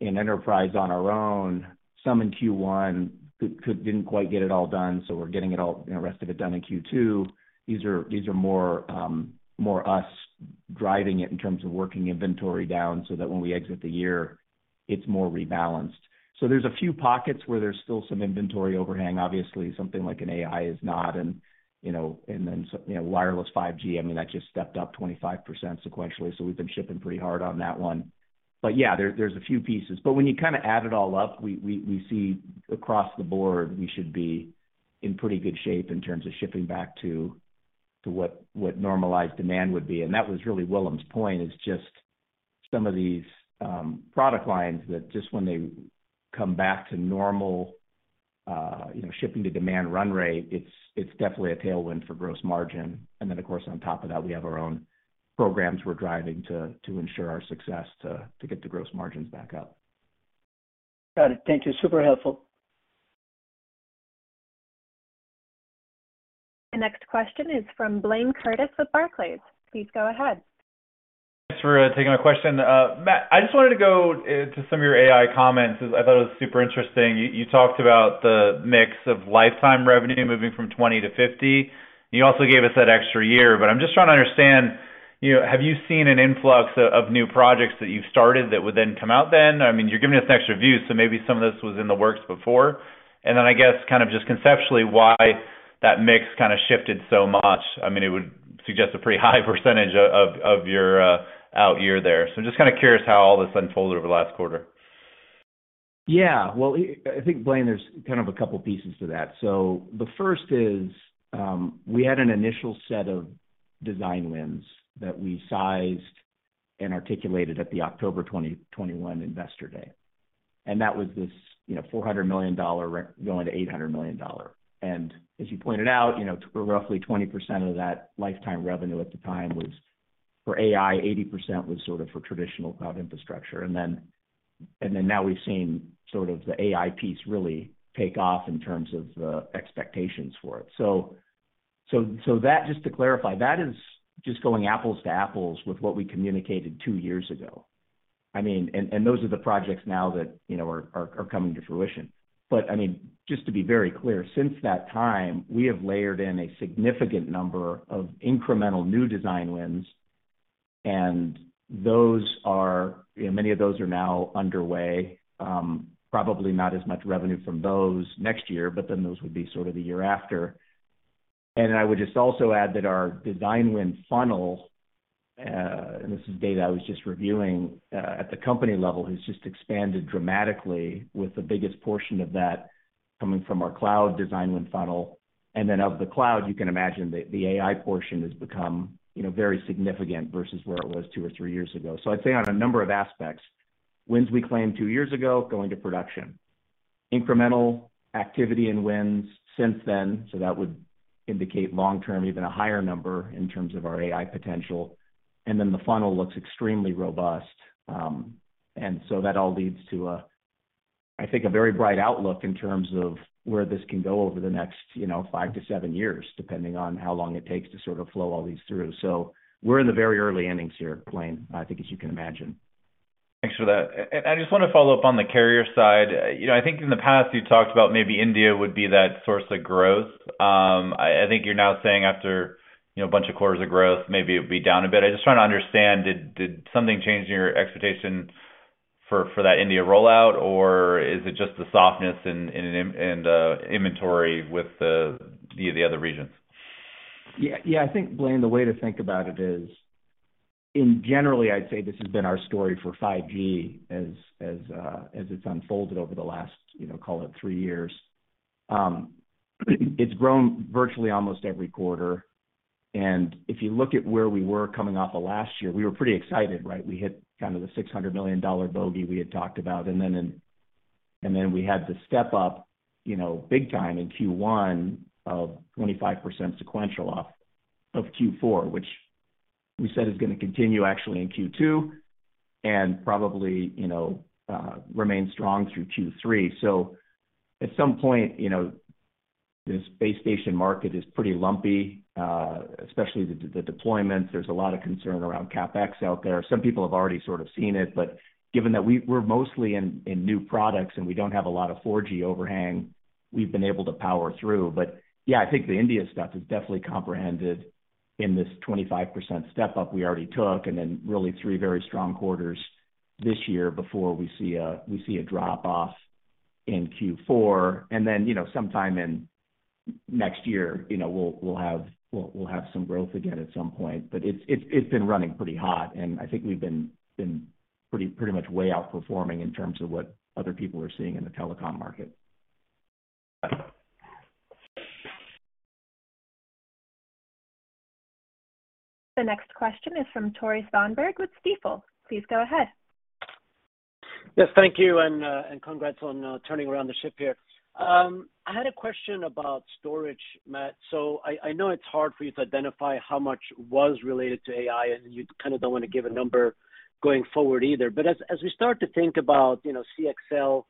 in enterprise on our own, some in Q1, didn't quite get it all done, so we're getting it all, you know, rest of it done in Q2. These are more us driving it in terms of working inventory down, so that when we exit the year, it's more rebalanced. There's a few pockets where there's still some inventory overhang. Obviously, something like an AI is not, you know, wireless 5G, I mean, that just stepped up 25% sequentially, so we've been shipping pretty hard on that one. There's a few pieces. When you kind of add it all up, we see across the board, we should be in pretty good shape in terms of shipping back to what normalized demand would be. That was really Willem's point, is just some of these product lines that just when they come back to normal, you know, shipping to demand run rate, it's definitely a tailwind for gross margin. Of course, on top of that, we have our own programs we're driving to ensure our success to get the gross margins back up. Got it. Thank you. Super helpful. The next question is from Blayne Curtis with Barclays. Please go ahead. Thanks for taking my question. Matt, I just wanted to go into some of your AI comments. I thought it was super interesting. You, you talked about the mix of lifetime revenue moving from 20 to 50, and you also gave us that extra year. I'm just trying to understand, you know, have you seen an influx of new projects that you've started that would then come out then? I mean, you're giving us an extra view, so maybe some of this was in the works before. Then, I guess, kind of just conceptually, why that mix kind of shifted so much. I mean, it would suggest a pretty high percentage of your out year there. I'm just kind of curious how all this unfolded over the last quarter. Yeah. Well, I think, Blayne, there's kind of a couple pieces to that. The first is, we had an initial set of design wins that we sized and articulated at the October 2021 Investor Day. That was this, you know, $400 million going to $800 million. As you pointed out, you know, roughly 20% of that lifetime revenue at the time was for AI, 80% was sort of for traditional cloud infrastructure. Then now we've seen sort of the AI piece really take off in terms of the expectations for it. So that, just to clarify, that is just going apples to apples with what we communicated two years ago. I mean, and those are the projects now that, you know, are coming to fruition. I mean, just to be very clear, since that time, we have layered in a significant number of incremental new design wins, many of those are now underway. Probably not as much revenue from those next year, those would be sort of the year after. I would just also add that our design win funnel, and this is data I was just reviewing, at the company level, has just expanded dramatically, with the biggest portion of that coming from our cloud design win funnel. Of the cloud, you can imagine the AI portion has become, you know, very significant versus where it was two or three years ago. I'd say on a number of aspects, wins we claimed two years ago, going to production. Incremental activity and wins since then, that would indicate long-term, even a higher number in terms of our AI potential. The funnel looks extremely robust. That all leads to a, I think, a very bright outlook in terms of where this can go over the next, you know, five to seven years, depending on how long it takes to sort of flow all these through. We're in the very early innings here, Blayne, I think, as you can imagine. Thanks for that. I just want to follow up on the carrier side. You know, I think in the past, you talked about maybe India would be that source of growth. I think you're now saying after, you know, a bunch of quarters of growth, maybe it'll be down a bit. I'm just trying to understand, did something change in your expectation for that India rollout, or is it just the softness and inventory with the other regions? Yeah, yeah. I think, Blayne, the way to think about it is, generally, I'd say this has been our story for 5G as it's unfolded over the last, you know, call it three years. It's grown virtually almost every quarter. If you look at where we were coming off of last year, we were pretty excited, right? We hit kind of the $600 million bogey we had talked about, and then we had to step up, you know, big time in Q1 of 25% sequential off of Q4, which we said is gonna continue actually in Q2 and probably, you know, remain strong through Q3. At some point, you know, this base station market is pretty lumpy, especially the deployments. There's a lot of concern around CapEx out there. Given that we're mostly in new products and we don't have a lot of 4G overhang, we've been able to power through. Yeah, I think the India stuff is definitely comprehended in this 25% step-up we already took, and then really three very strong quarters this year before we see a drop-off in Q4. You know, sometime in next year, you know, we'll have some growth again at some point. It's been running pretty hot, and I think we've been pretty much way outperforming in terms of what other people are seeing in the telecom market. The next question is from Tore Svanberg with Stifel. Please go ahead. Yes, thank you, and congrats on turning around the ship here. I had a question about storage, Matt. I know it's hard for you to identify how much was related to AI, and you kind of don't want to give a number going forward either. As we start to think about, you know, CXL,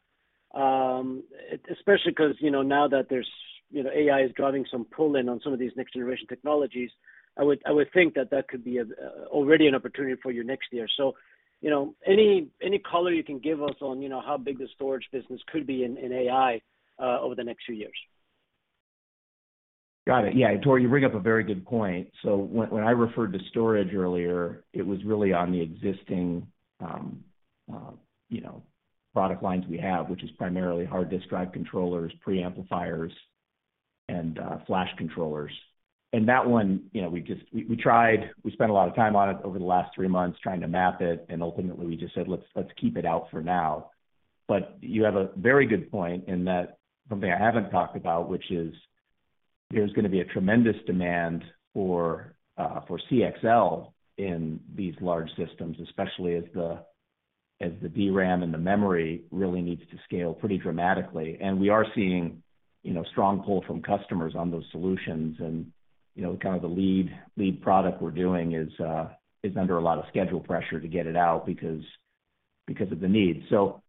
especially 'cause, you know, now that there's, you know, AI is driving some pull-in on some of these next-generation technologies, I would think that that could be already an opportunity for you next year. You know, any color you can give us on, you know, how big the storage business could be in AI over the next few years? Got it. Yeah, Tore, you bring up a very good point. When, when I referred to storage earlier, it was really on the existing product lines we have, which is primarily hard disk drive controllers, preamplifiers, and flash controllers. That one, you know, we tried, we spent a lot of time on it over the last three months trying to map it, and ultimately we just said, "Let's, let's keep it out for now." You have a very good point, in that something I haven't talked about, which is there's gonna be a tremendous demand for CXL in these large systems, especially as the DRAM and the memory really needs to scale pretty dramatically. We are seeing, you know, strong pull from customers on those solutions. You know, kind of the lead product we're doing is under a lot of schedule pressure to get it out because of the need.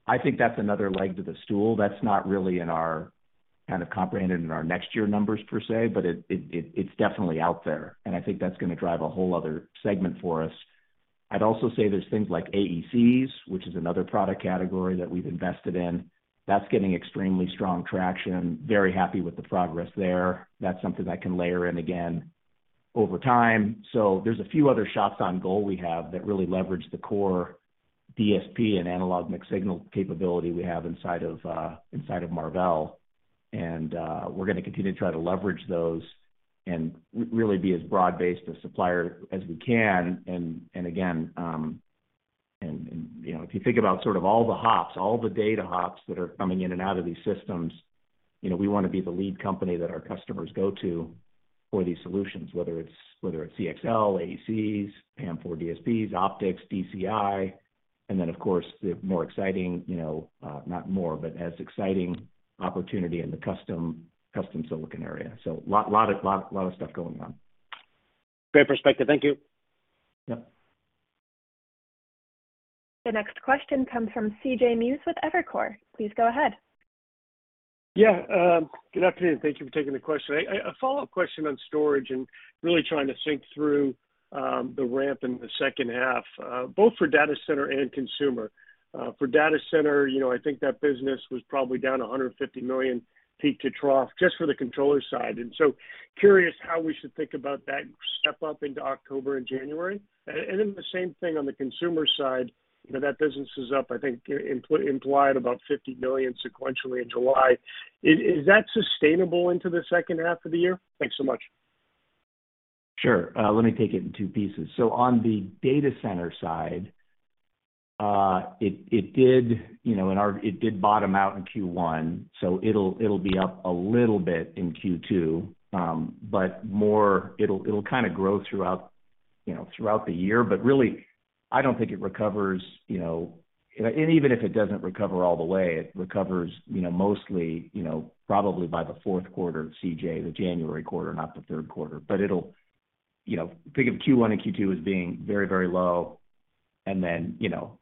I think that's another leg to the stool. That's not really in our kind of comprehended in our next year numbers per se, but it's definitely out there, and I think that's gonna drive a whole other segment for us. I'd also say there's things like AECs, which is another product category that we've invested in. That's getting extremely strong traction, very happy with the progress there. That's something that can layer in again over time. There's a few other shots on goal we have that really leverage the core DSP and analog mixed signal capability we have inside of Marvell. We're gonna continue to try to leverage those and really be as broad-based a supplier as we can. Again, and, you know, if you think about sort of all the hops, all the data hops that are coming in and out of these systems, you know, we wanna be the lead company that our customers go to for these solutions, whether it's, whether it's CXL, AECs, PAM4 DSPs, optics, DCI, and then, of course, the more exciting, you know, not more, but as exciting opportunity in the custom silicon area. Lot of stuff going on. Great perspective. Thank you. Yep. The next question comes from C.J. Muse with Evercore. Please go ahead. Good afternoon. Thank you for taking the question. A follow-up question on storage and really trying to think through the ramp in the second half, both for data center and consumer. For data center, you know, I think that business was probably down $150 million, peak to trough, just for the controller side. Curious how we should think about that step up into October and January? The same thing on the consumer side, you know, that business is up, I think, implied about $50 million sequentially in July. Is that sustainable into the second half of the year? Thanks so much. Sure. Let me take it in two pieces. On the data center side, it did, you know, it did bottom out in Q1, so it'll be up a little bit in Q2. More, it'll kind of grow throughout, you know, throughout the year. Really, I don't think it recovers, you know. Even if it doesn't recover all the way, it recovers, you know, mostly, you know, probably by the Q4, C.J., the January quarter, not the Q3. It'll, you know, think of Q1 and Q2 as being very, very low. Then, you know,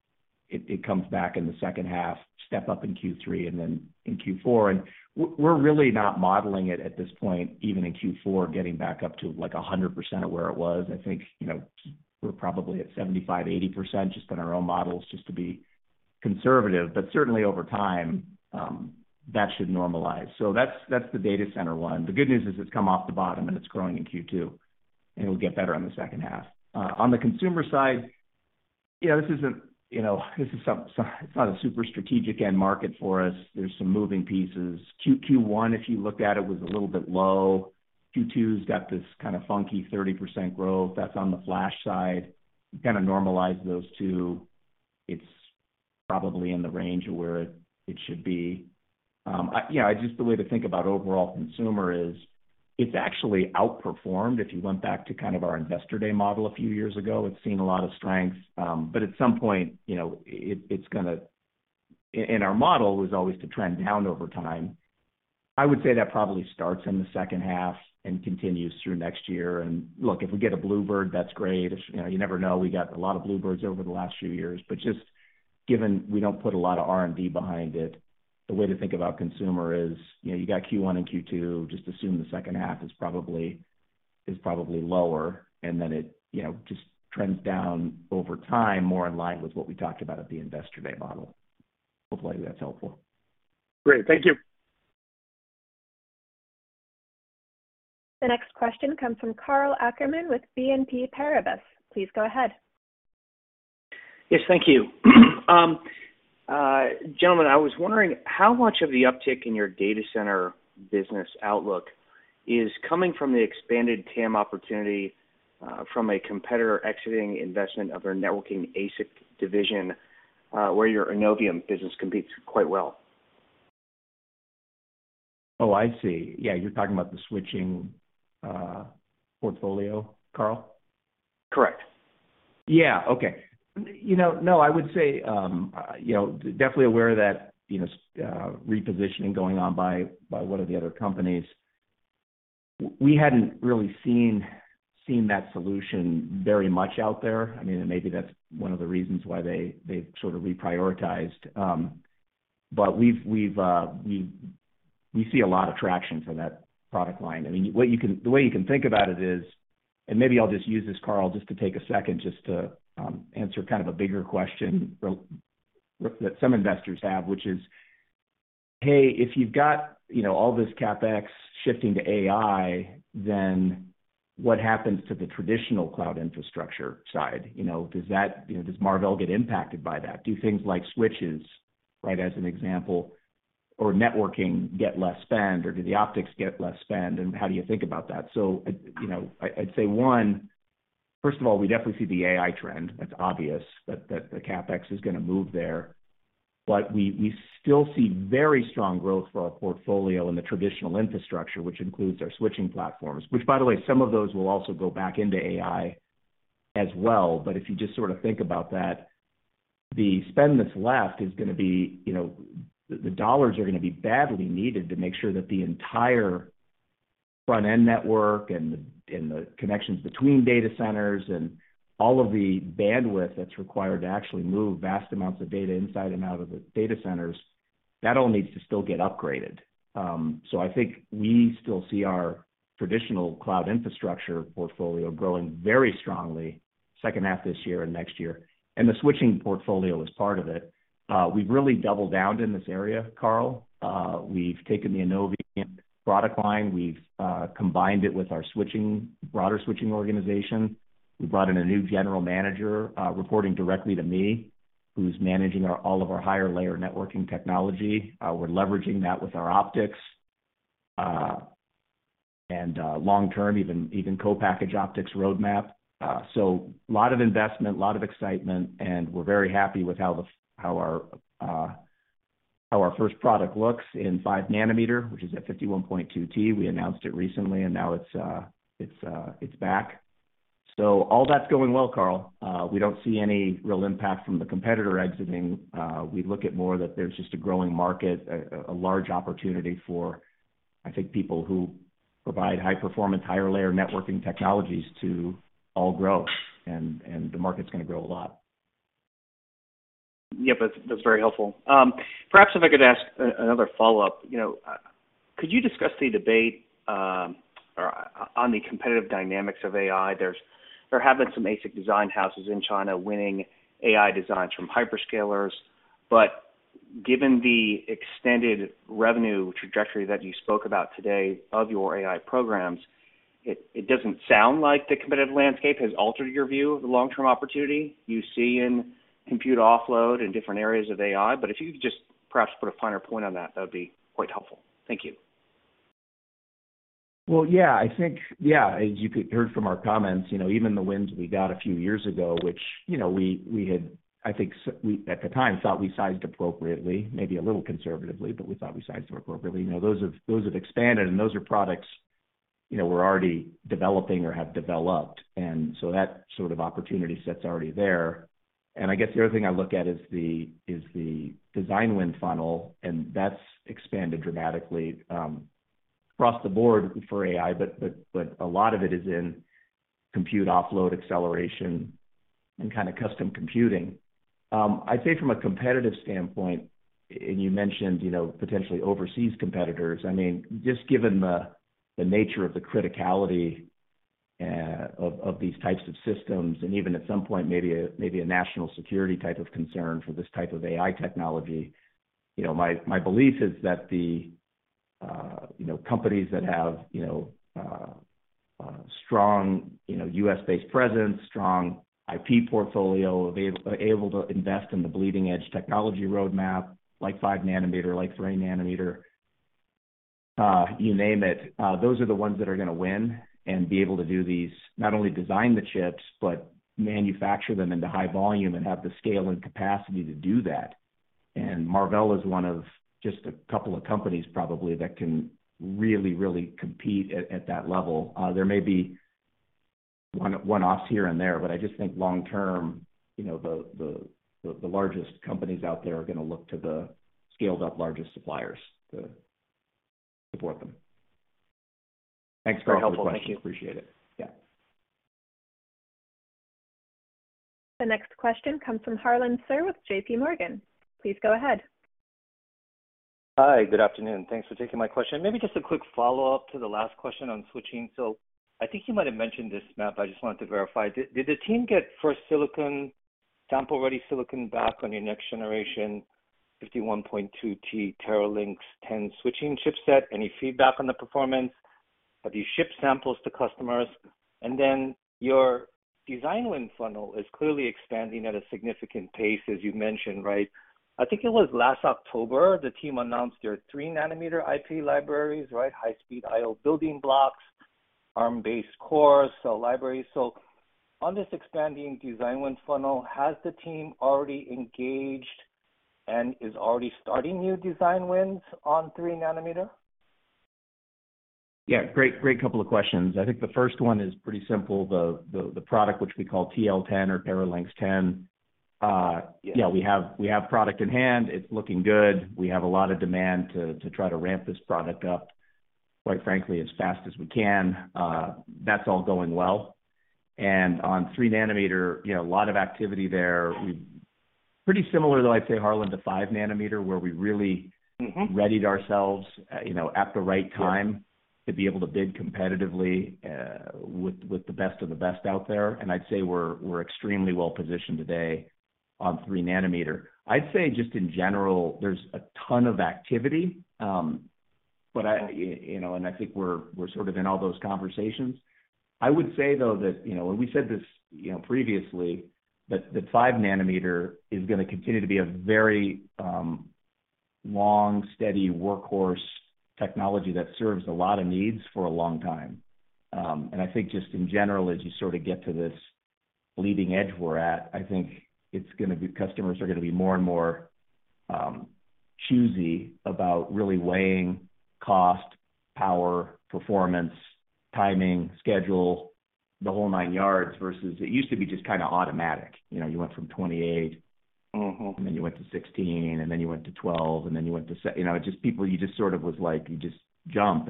it comes back in the second half, step up in Q3 and then in Q4. We're really not modeling it at this point, even in Q4, getting back up to, like, 100% of where it was. I think, you know, we're probably at 75%, 80% just in our own models, just to be conservative, but certainly over time, that should normalize. That's, that's the data center one. The good news is it's come off the bottom and it's growing in Q2, and it'll get better in H2. On the consumer side, yeah, this isn't, you know, this is it's not a super strategic end market for us. There's some moving pieces. Q1, if you looked at it, was a little bit low. Q2's got this kind of funky 30% growth that's on the flash side. You kind of normalize those two, it's probably in the range of where it should be. Yeah, just the way to think about overall consumer is, it's actually outperformed. If you went back to kind of our Investor Day model a few years ago, it's seen a lot of strength, but at some point, you know, it's gonna. Our model was always to trend down over time. I would say that probably starts in the second half and continues through next year. Look, if we get a blue bird, that's great. If, you know, you never know, we got a lot of blue birds over the last few years. Just given we don't put a lot of R&D behind it, the way to think about consumer is, you know, you got Q1 and Q2, just assume the H2 is probably lower, and then it, you know, just trends down over time, more in line with what we talked about at the Investor Day model. Hopefully, that's helpful. Great. Thank you. The next question comes from Karl Ackerman with BNP Paribas. Please go ahead. Yes, thank you. gentlemen, I was wondering, how much of the uptick in your data center business outlook is coming from the expanded TAM opportunity, from a competitor exiting investment of their networking ASIC division, where your Innovium business competes quite well? Oh, I see. Yeah, you're talking about the switching portfolio, Karl? Correct. Okay. You know, no, I would say, you know, definitely aware of that, you know, repositioning going on by one of the other companies. We hadn't really seen that solution very much out there. I mean, maybe that's one of the reasons why they've sort of reprioritized. We've, we see a lot of traction for that product line. I mean, the way you can think about it is, maybe I'll just use this, Karl, just to take a second just to answer kind of a bigger question that some investors have, which is: Hey, if you've got, you know, all this CapEx shifting to AI, what happens to the traditional cloud infrastructure side? You know, does that, you know, does Marvell get impacted by that? Do things like switches, right, as an example, or networking, get less spend, or do the optics get less spend, and how do you think about that? You know, I'd say, one, first of all, we definitely see the AI trend. That's obvious that the CapEx is going to move there. We still see very strong growth for our portfolio in the traditional infrastructure, which includes our switching platforms, which, by the way, some of those will also go back into AI as well. If you just sort of think about that, the spend that's left is going to be, you know, the dollars are going to be badly needed to make sure that the entire front-end network and the connections between data centers and all of the bandwidth that's required to actually move vast amounts of data inside and out of the data centers, that all needs to still get upgraded. I think we still see our traditional cloud infrastructure portfolio growing very strongly second half this year and next year, and the switching portfolio is part of it. We've really doubled down in this area, Karl. We've taken the Innovium product line. We've combined it with our switching, broader switching organization. We brought in a new general manager, reporting directly to me, who's managing all of our higher layer networking technology. We're leveraging that with our optics, and long-term, even co-packaged optics roadmap. A lot of investment, a lot of excitement, and we're very happy with how our first product looks in 5-nanometer, which is at 51.2 T. We announced it recently, and now it's back. All that's going well, Karl. We don't see any real impact from the competitor exiting. We look at more that there's just a growing market, a large opportunity for, I think, people who provide high performance, higher layer networking technologies to all grow, and the market's going to grow a lot. Yep, that's very helpful. Perhaps if I could ask another follow-up. You know, could you discuss the debate or on the competitive dynamics of AI? There have been some ASIC design houses in China winning AI designs from hyper-scalers, but given the extended revenue trajectory that you spoke about today of your AI programs, it doesn't sound like the competitive landscape has altered your view of the long-term opportunity you see in compute offload in different areas of AI. If you could just perhaps put a finer point on that would be quite helpful. Thank you. Well, yeah, I think, yeah, as you could hear from our comments, you know, even the wins we got a few years ago, which, you know, we had, I think, we, at the time, thought we sized appropriately, maybe a little conservatively, but we thought we sized appropriately. You know, those have expanded, and those are products, you know, we're already developing or have developed, and so that sort of opportunity set's already there. I guess the other thing I look at is the, is the design win funnel, and that's expanded dramatically, across the board for AI, but a lot of it is in compute offload acceleration and kind of custom computing. the nature of the criticality of these types of systems, and even at some point, maybe a national security type of concern for this type of AI technology, you know, my belief is that the companies that have strong U.S.-based presence, strong IP portfolio, able to invest in the bleeding-edge technology roadmap, like 5-nanometer, like 3-nanometer, you name it, those are the ones that are going to win and be able to do these, not only design the chips, but manufacture them into high volume and have the scale and capacity to do that Marvell is one of just a couple of companies, probably, that can really compete at that level. There may be one-offs here and there, I just think long term, you know, the largest companies out there are going to look to the scaled-up largest suppliers to support them. Thanks very much for the question. Very helpful. Thank you. Appreciate it. Yeah. The next question comes from Harlan Sur with J.P. Morgan. Please go ahead. Hi, good afternoon. Thanks for taking my question. Maybe just a quick follow-up to the last question on switching. I think you might have mentioned this, Matt, but I just wanted to verify. Did the team get first silicon, sample-ready silicon back on your next generation, 51.2T Teralynx 10 switching chipset? Any feedback on the performance? Have you shipped samples to customers? Your design win funnel is clearly expanding at a significant pace, as you mentioned, right? I think it was last October, the team announced their 3-nanometer IP libraries, right? High-speed I/O building blocks, Arm-based cores, cell libraries. On this expanding design win funnel, has the team already engaged and is already starting new design wins on 3-nanometer? Yeah, great couple of questions. I think the first one is pretty simple. The product, which we call TL10 or Teralynx 10, yeah, we have product in hand. It's looking good. We have a lot of demand to try to ramp this product up, quite frankly, as fast as we can. That's all going well. On 3-nanometer, you know, a lot of activity there. Pretty similar, though, I'd say, Harlan, to 5-nanometer, where we really readied ourselves, you know, at the right time to be able to bid competitively, with the best of the best out there. I'd say we're extremely well positioned today on 3-nanometer. I'd say, just in general, there's a ton of activity, but I, you know, and I think we're sort of in all those conversations. I would say, though, that, you know, and we said this, you know, previously, that the 5-nanometer is going to continue to be a very long, steady workhorse technology that serves a lot of needs for a long time. I think just in general, as you sort of get to this leading edge we're at, I think customers are going to be more and more choosy about really weighing cost, power, performance, timing, schedule, the whole nine yards, versus it used to be just kind of automatic. You know, you went from 28- You went to 16, and then you went to 12, and then you went to. You know, just people, you just sort of was like, you just jump.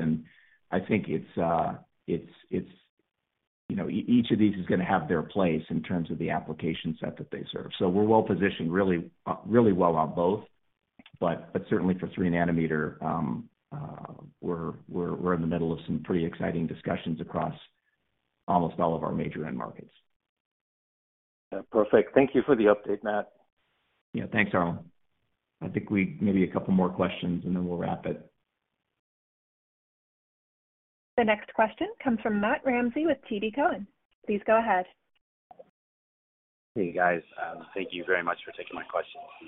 I think it's, you know, each of these is going to have their place in terms of the application set that they serve. We're well positioned, really, really well on both. Certainly for 3-nanometer, we're in the middle of some pretty exciting discussions across almost all of our major end markets. Yeah, perfect. Thank you for the update, Matt. Yeah, thanks, Harlan. I think maybe a couple more questions, and then we'll wrap it. The next question comes from Matthew Ramsay with TD Cowen. Please go ahead. Hey, guys. Thank you very much for taking my question. The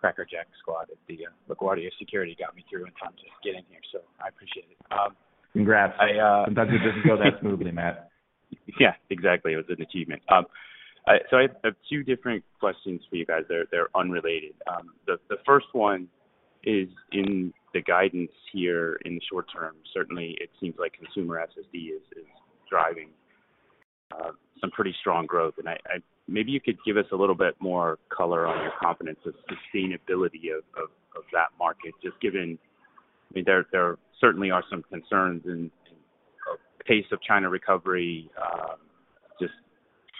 Cracker Jack squad at the LaGuardia Security got me through in time to get in here, so I appreciate it. Congrats. I Sometimes it doesn't go that smoothly, Matt. Yeah, exactly. It was an achievement. I have 2 different questions for you guys. They're unrelated. The first one is, in the guidance here in the short term, certainly it seems like consumer SSD is driving some pretty strong growth. Maybe you could give us a little bit more color on your confidence of sustainability of that market, just given, I mean, there certainly are some concerns in pace of China recovery,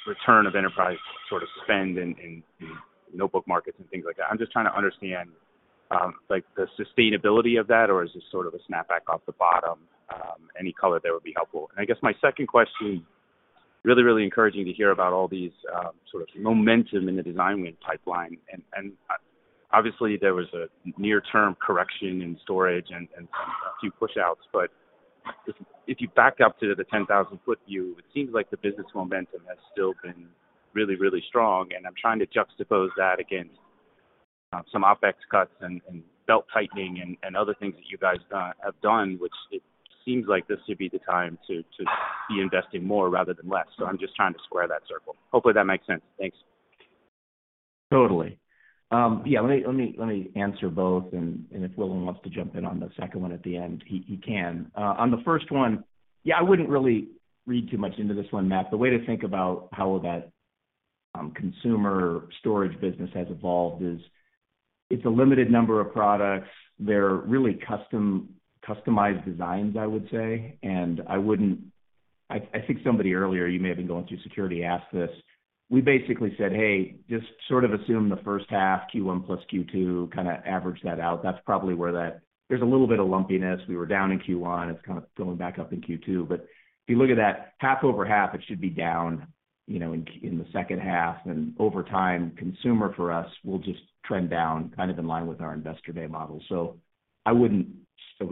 just return of enterprise sort of spend in notebook markets and things like that. I'm just trying to understand, like, the sustainability of that, or is this sort of a snap-back off the bottom? Any color there would be helpful. I guess my second question, really, really encouraging to hear about all these, sort of momentum in the design win pipeline. Obviously there was a near-term correction in storage and some, a few push outs. If you back up to the 10,000-foot view, it seems like the business momentum has still been really, really strong. I'm trying to juxtapose that against, some OpEx cuts and belt-tightening and other things that you guys have done, which it seems like this would be the time to be investing more rather than less. I'm just trying to square that circle. Hopefully, that makes sense. Thanks. Totally. Yeah, let me answer both, and if Willem wants to jump in on the second one at the end, he can. On the first one, yeah, I wouldn't really read too much into this one, Matt. The way to think about how that consumer storage business has evolved is, it's a limited number of products. They're really customized designs, I would say. I think somebody earlier, you may have been going through security, asked this. We basically said, "Hey, just sort of assume the first half, Q1 plus Q2, kind of average that out." That's probably where that. There's a little bit of lumpiness. We were down in Q1, it's kind of going back up in Q2. If you look at that half over half, it should be down, you know, in the second half. Over time, consumer, for us, will just trend down, kind of in line with our investor day model. I would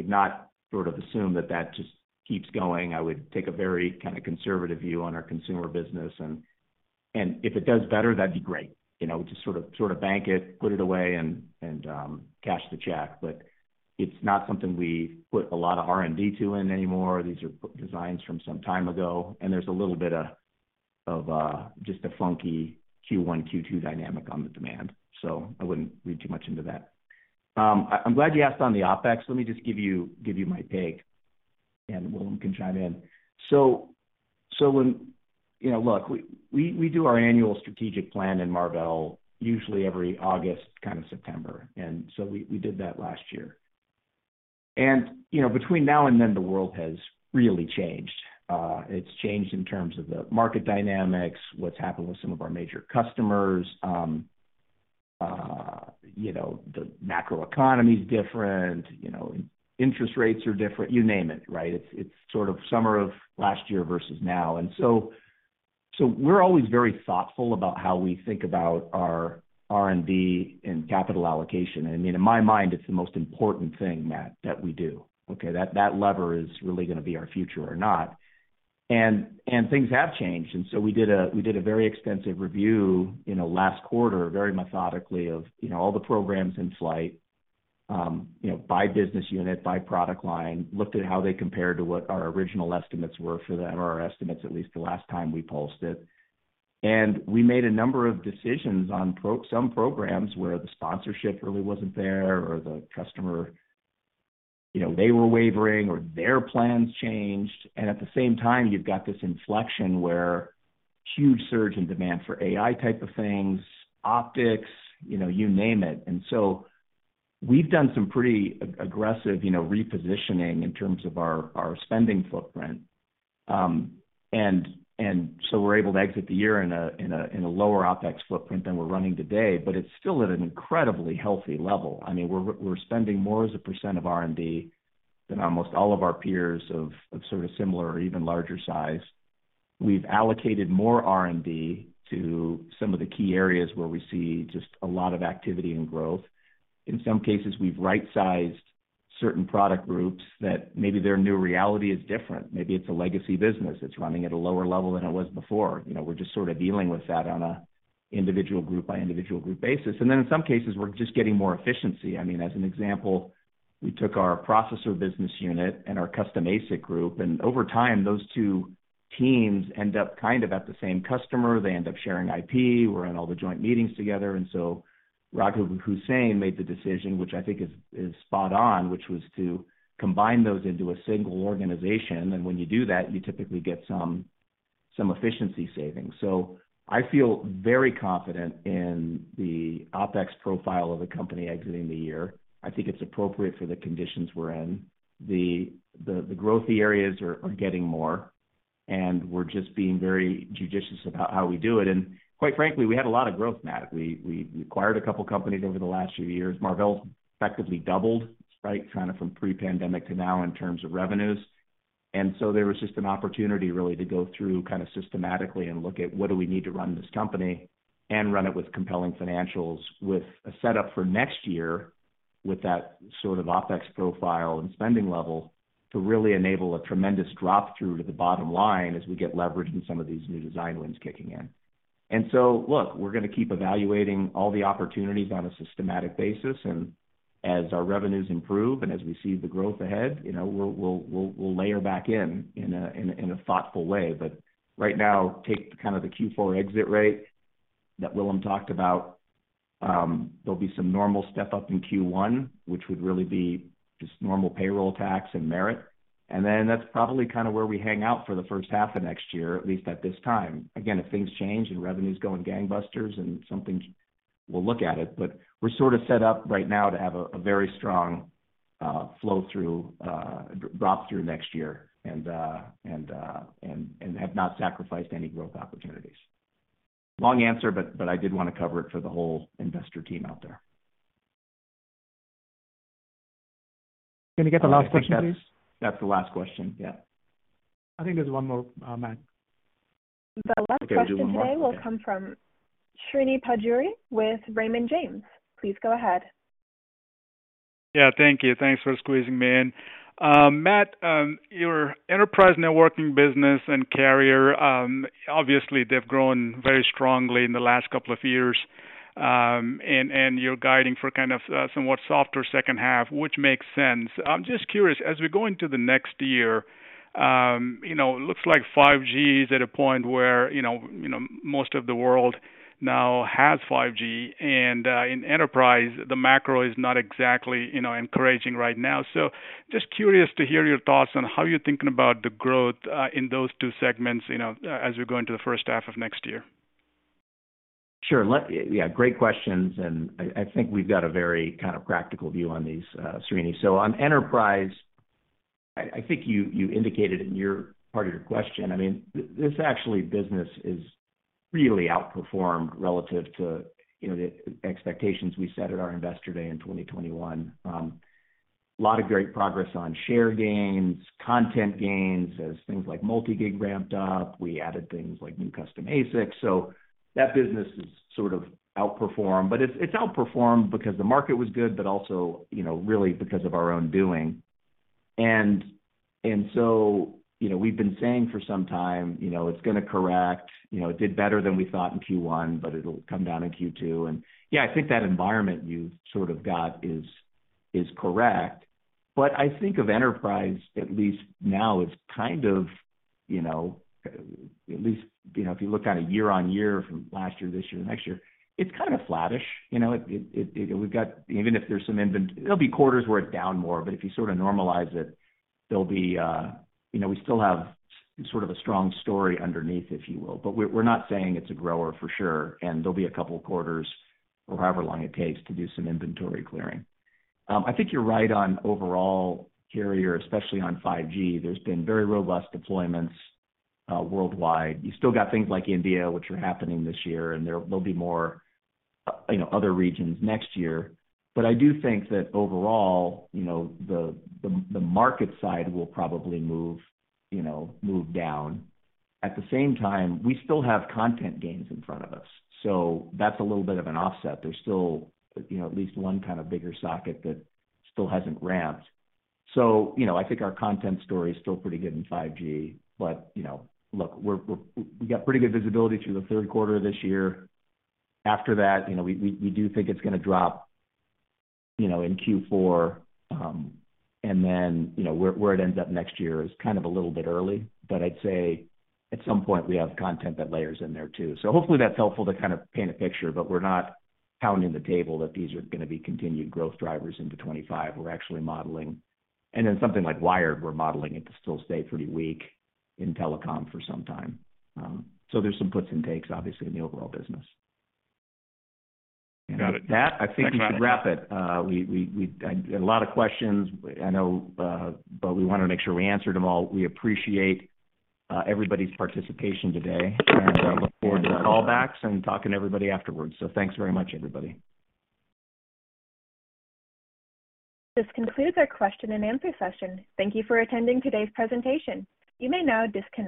not sort of assume that that just keeps going. I would take a very kind of conservative view on our consumer business, and if it does better, that'd be great. You know, just sort of bank it, put it away, and cash the check. It's not something we put a lot of R&D to in anymore. These are designs from some time ago, and there's a little bit of just a funky Q1, Q2 dynamic on the demand, so I wouldn't read too much into that. I'm glad you asked on the OpEx. Let me just give you my take. Willem can chime in. You know, look, we do our annual strategic plan in Marvell, usually every August, kind of September. We did that last year. You know, between now and then, the world has really changed. It's changed in terms of the market dynamics, what's happened with some of our major customers. You know, the macro economy is different, you know, interest rates are different, you name it, right? It's sort of summer of last year versus now. We're always very thoughtful about how we think about our R&D and capital allocation. I mean, in my mind, it's the most important thing, Matt, that we do, okay? That lever is really going to be our future or not. Things have changed, so we did a very extensive review, you know, last quarter, very methodically, of, you know, all the programs in flight, you know, by business unit, by product line. Looked at how they compared to what our original estimates were for them, or our estimates, at least the last time we pulsed it. We made a number of decisions on some programs where the sponsorship really wasn't there, or the customer, you know, they were wavering or their plans changed. At the same time, you've got this inflection where huge surge in demand for AI type of things, optics, you know, you name it. So we've done some pretty aggressive, you know, repositioning in terms of our spending footprint. We're able to exit the year in a lower OpEx footprint than we're running today, but it's still at an incredibly healthy level. I mean, we're spending more as a % of R&D than almost all of our peers of sort of similar or even larger size. We've allocated more R&D to some of the key areas where we see just a lot of activity and growth. In some cases, we've right-sized certain product groups that maybe their new reality is different. Maybe it's a legacy business that's running at a lower level than it was before. You know, we're just sort of dealing with that on a individual group by individual group basis. In some cases, we're just getting more efficiency. I mean, as an example, we took our processor business unit and our custom ASIC group. Over time, those two teams end up kind of at the same customer. They end up sharing IP. We're in all the joint meetings together. Raghib Hussain made the decision, which I think is spot on, which was to combine those into a single organization. When you do that, you typically get some efficiency savings. I feel very confident in the OpEx profile of the company exiting the year. I think it's appropriate for the conditions we're in. The growthy areas are getting more. We're just being very judicious about how we do it. Quite frankly, we had a lot of growth, Matt. We acquired a couple companies over the last few years. Marvell effectively doubled, right? Kind of from pre-pandemic to now in terms of revenues. There was just an opportunity, really, to go through kind of systematically and look at what do we need to run this company and run it with compelling financials, with a setup for next year, with that sort of OpEx profile and spending level, to really enable a tremendous drop-through to the bottom line as we get leverage in some of these new design wins kicking in. Look, we're gonna keep evaluating all the opportunities on a systematic basis, and as our revenues improve and as we see the growth ahead, you know, we'll layer back in a thoughtful way. Right now, take kind of the Q4 exit rate that Willem talked about. There'll be some normal step up in Q1, which would really be just normal payroll tax and merit, and then that's probably kind of where we hang out for the first half of next year, at least at this time. Again, if things change and revenue's going gangbusters and something, we'll look at it, but we're sort of set up right now to have a very strong flow-hrough drop-through next year, and have not sacrificed any growth opportunities. Long answer, but I did want to cover it for the whole investor team out there. Can I get the last question, please? That's the last question. Yeah. I think there's one more, Matt. The last question today will come from Srini Pajjuri with Raymond James. Please go ahead. Yeah, thank you. Thanks for squeezing me in. Matt, your enterprise networking business and carrier, obviously, they've grown very strongly in the last couple of years. You're guiding for kind of a somewhat softer second half, which makes sense. I'm just curious, as we go into the next year, you know, it looks like 5G is at a point where, you know, most of the world now has 5G, and in enterprise, the macro is not exactly, you know, encouraging right now. Just curious to hear your thoughts on how you're thinking about the growth in those two segments, you know, as we go into the first half of next year. Sure. Yeah, great questions, and I think we've got a very kind of practical view on these, Srini. On enterprise, I think you indicated in part of your question, I mean, this actually business is really outperformed relative to, you know, the expectations we set at our Investor Day in 2021. Lot of great progress on share gains, content gains, as things like multi-gig ramped up. We added things like new custom ASIC. That business is sort of outperformed, but it's outperformed because the market was good, but also, you know, really because of our own doing. So, you know, we've been saying for some time, you know, it's gonna correct. You know, it did better than we thought in Q1, but it'll come down in Q2. Yeah, I think that environment you've sort of got is correct. I think of enterprise, at least now, as kind of, you know, at least, you know, if you look on a year-on-year from last year, this year, next year, it's kind of flattish. You know, Even if there's some there'll be quarters where it's down more, but if you sort of normalize it, there'll be. You know, we still have sort of a strong story underneath, if you will, but we're not saying it's a grower for sure, and there'll be a couple of quarters or however long it takes to do some inventory clearing. I think you're right on overall carrier, especially on 5G. There's been very robust deployments worldwide. You still got things like India, which are happening this year. There will be more, you know, other regions next year. I do think that overall, you know, the market side will probably move, you know, move down. At the same time, we still have content gains in front of us. That's a little bit of an offset. There's still, you know, at least one kind of bigger socket that still hasn't ramped. You know, I think our content story is still pretty good in 5G. You know, look, we got pretty good visibility through the third quarter of this year. After that, you know, we do think it's gonna drop, you know, in Q4. You know, where it ends up next year is kind of a little bit early, but I'd say at some point we have content that layers in there, too. Hopefully, that's helpful to kind of paint a picture, but we're not pounding the table that these are going to be continued growth drivers into 25. We're actually modeling. Something like Wired, we're modeling it to still stay pretty weak in telecom for some time. There's some puts and takes, obviously, in the overall business. Got it. Matt, I think we should wrap it. A lot of questions, I know. We wanna make sure we answered them all. We appreciate everybody's participation today, and look forward to callbacks and talking to everybody afterwards. Thanks very much, everybody. This concludes our question and answer session. Thank you for attending today's presentation. You may now disconnect.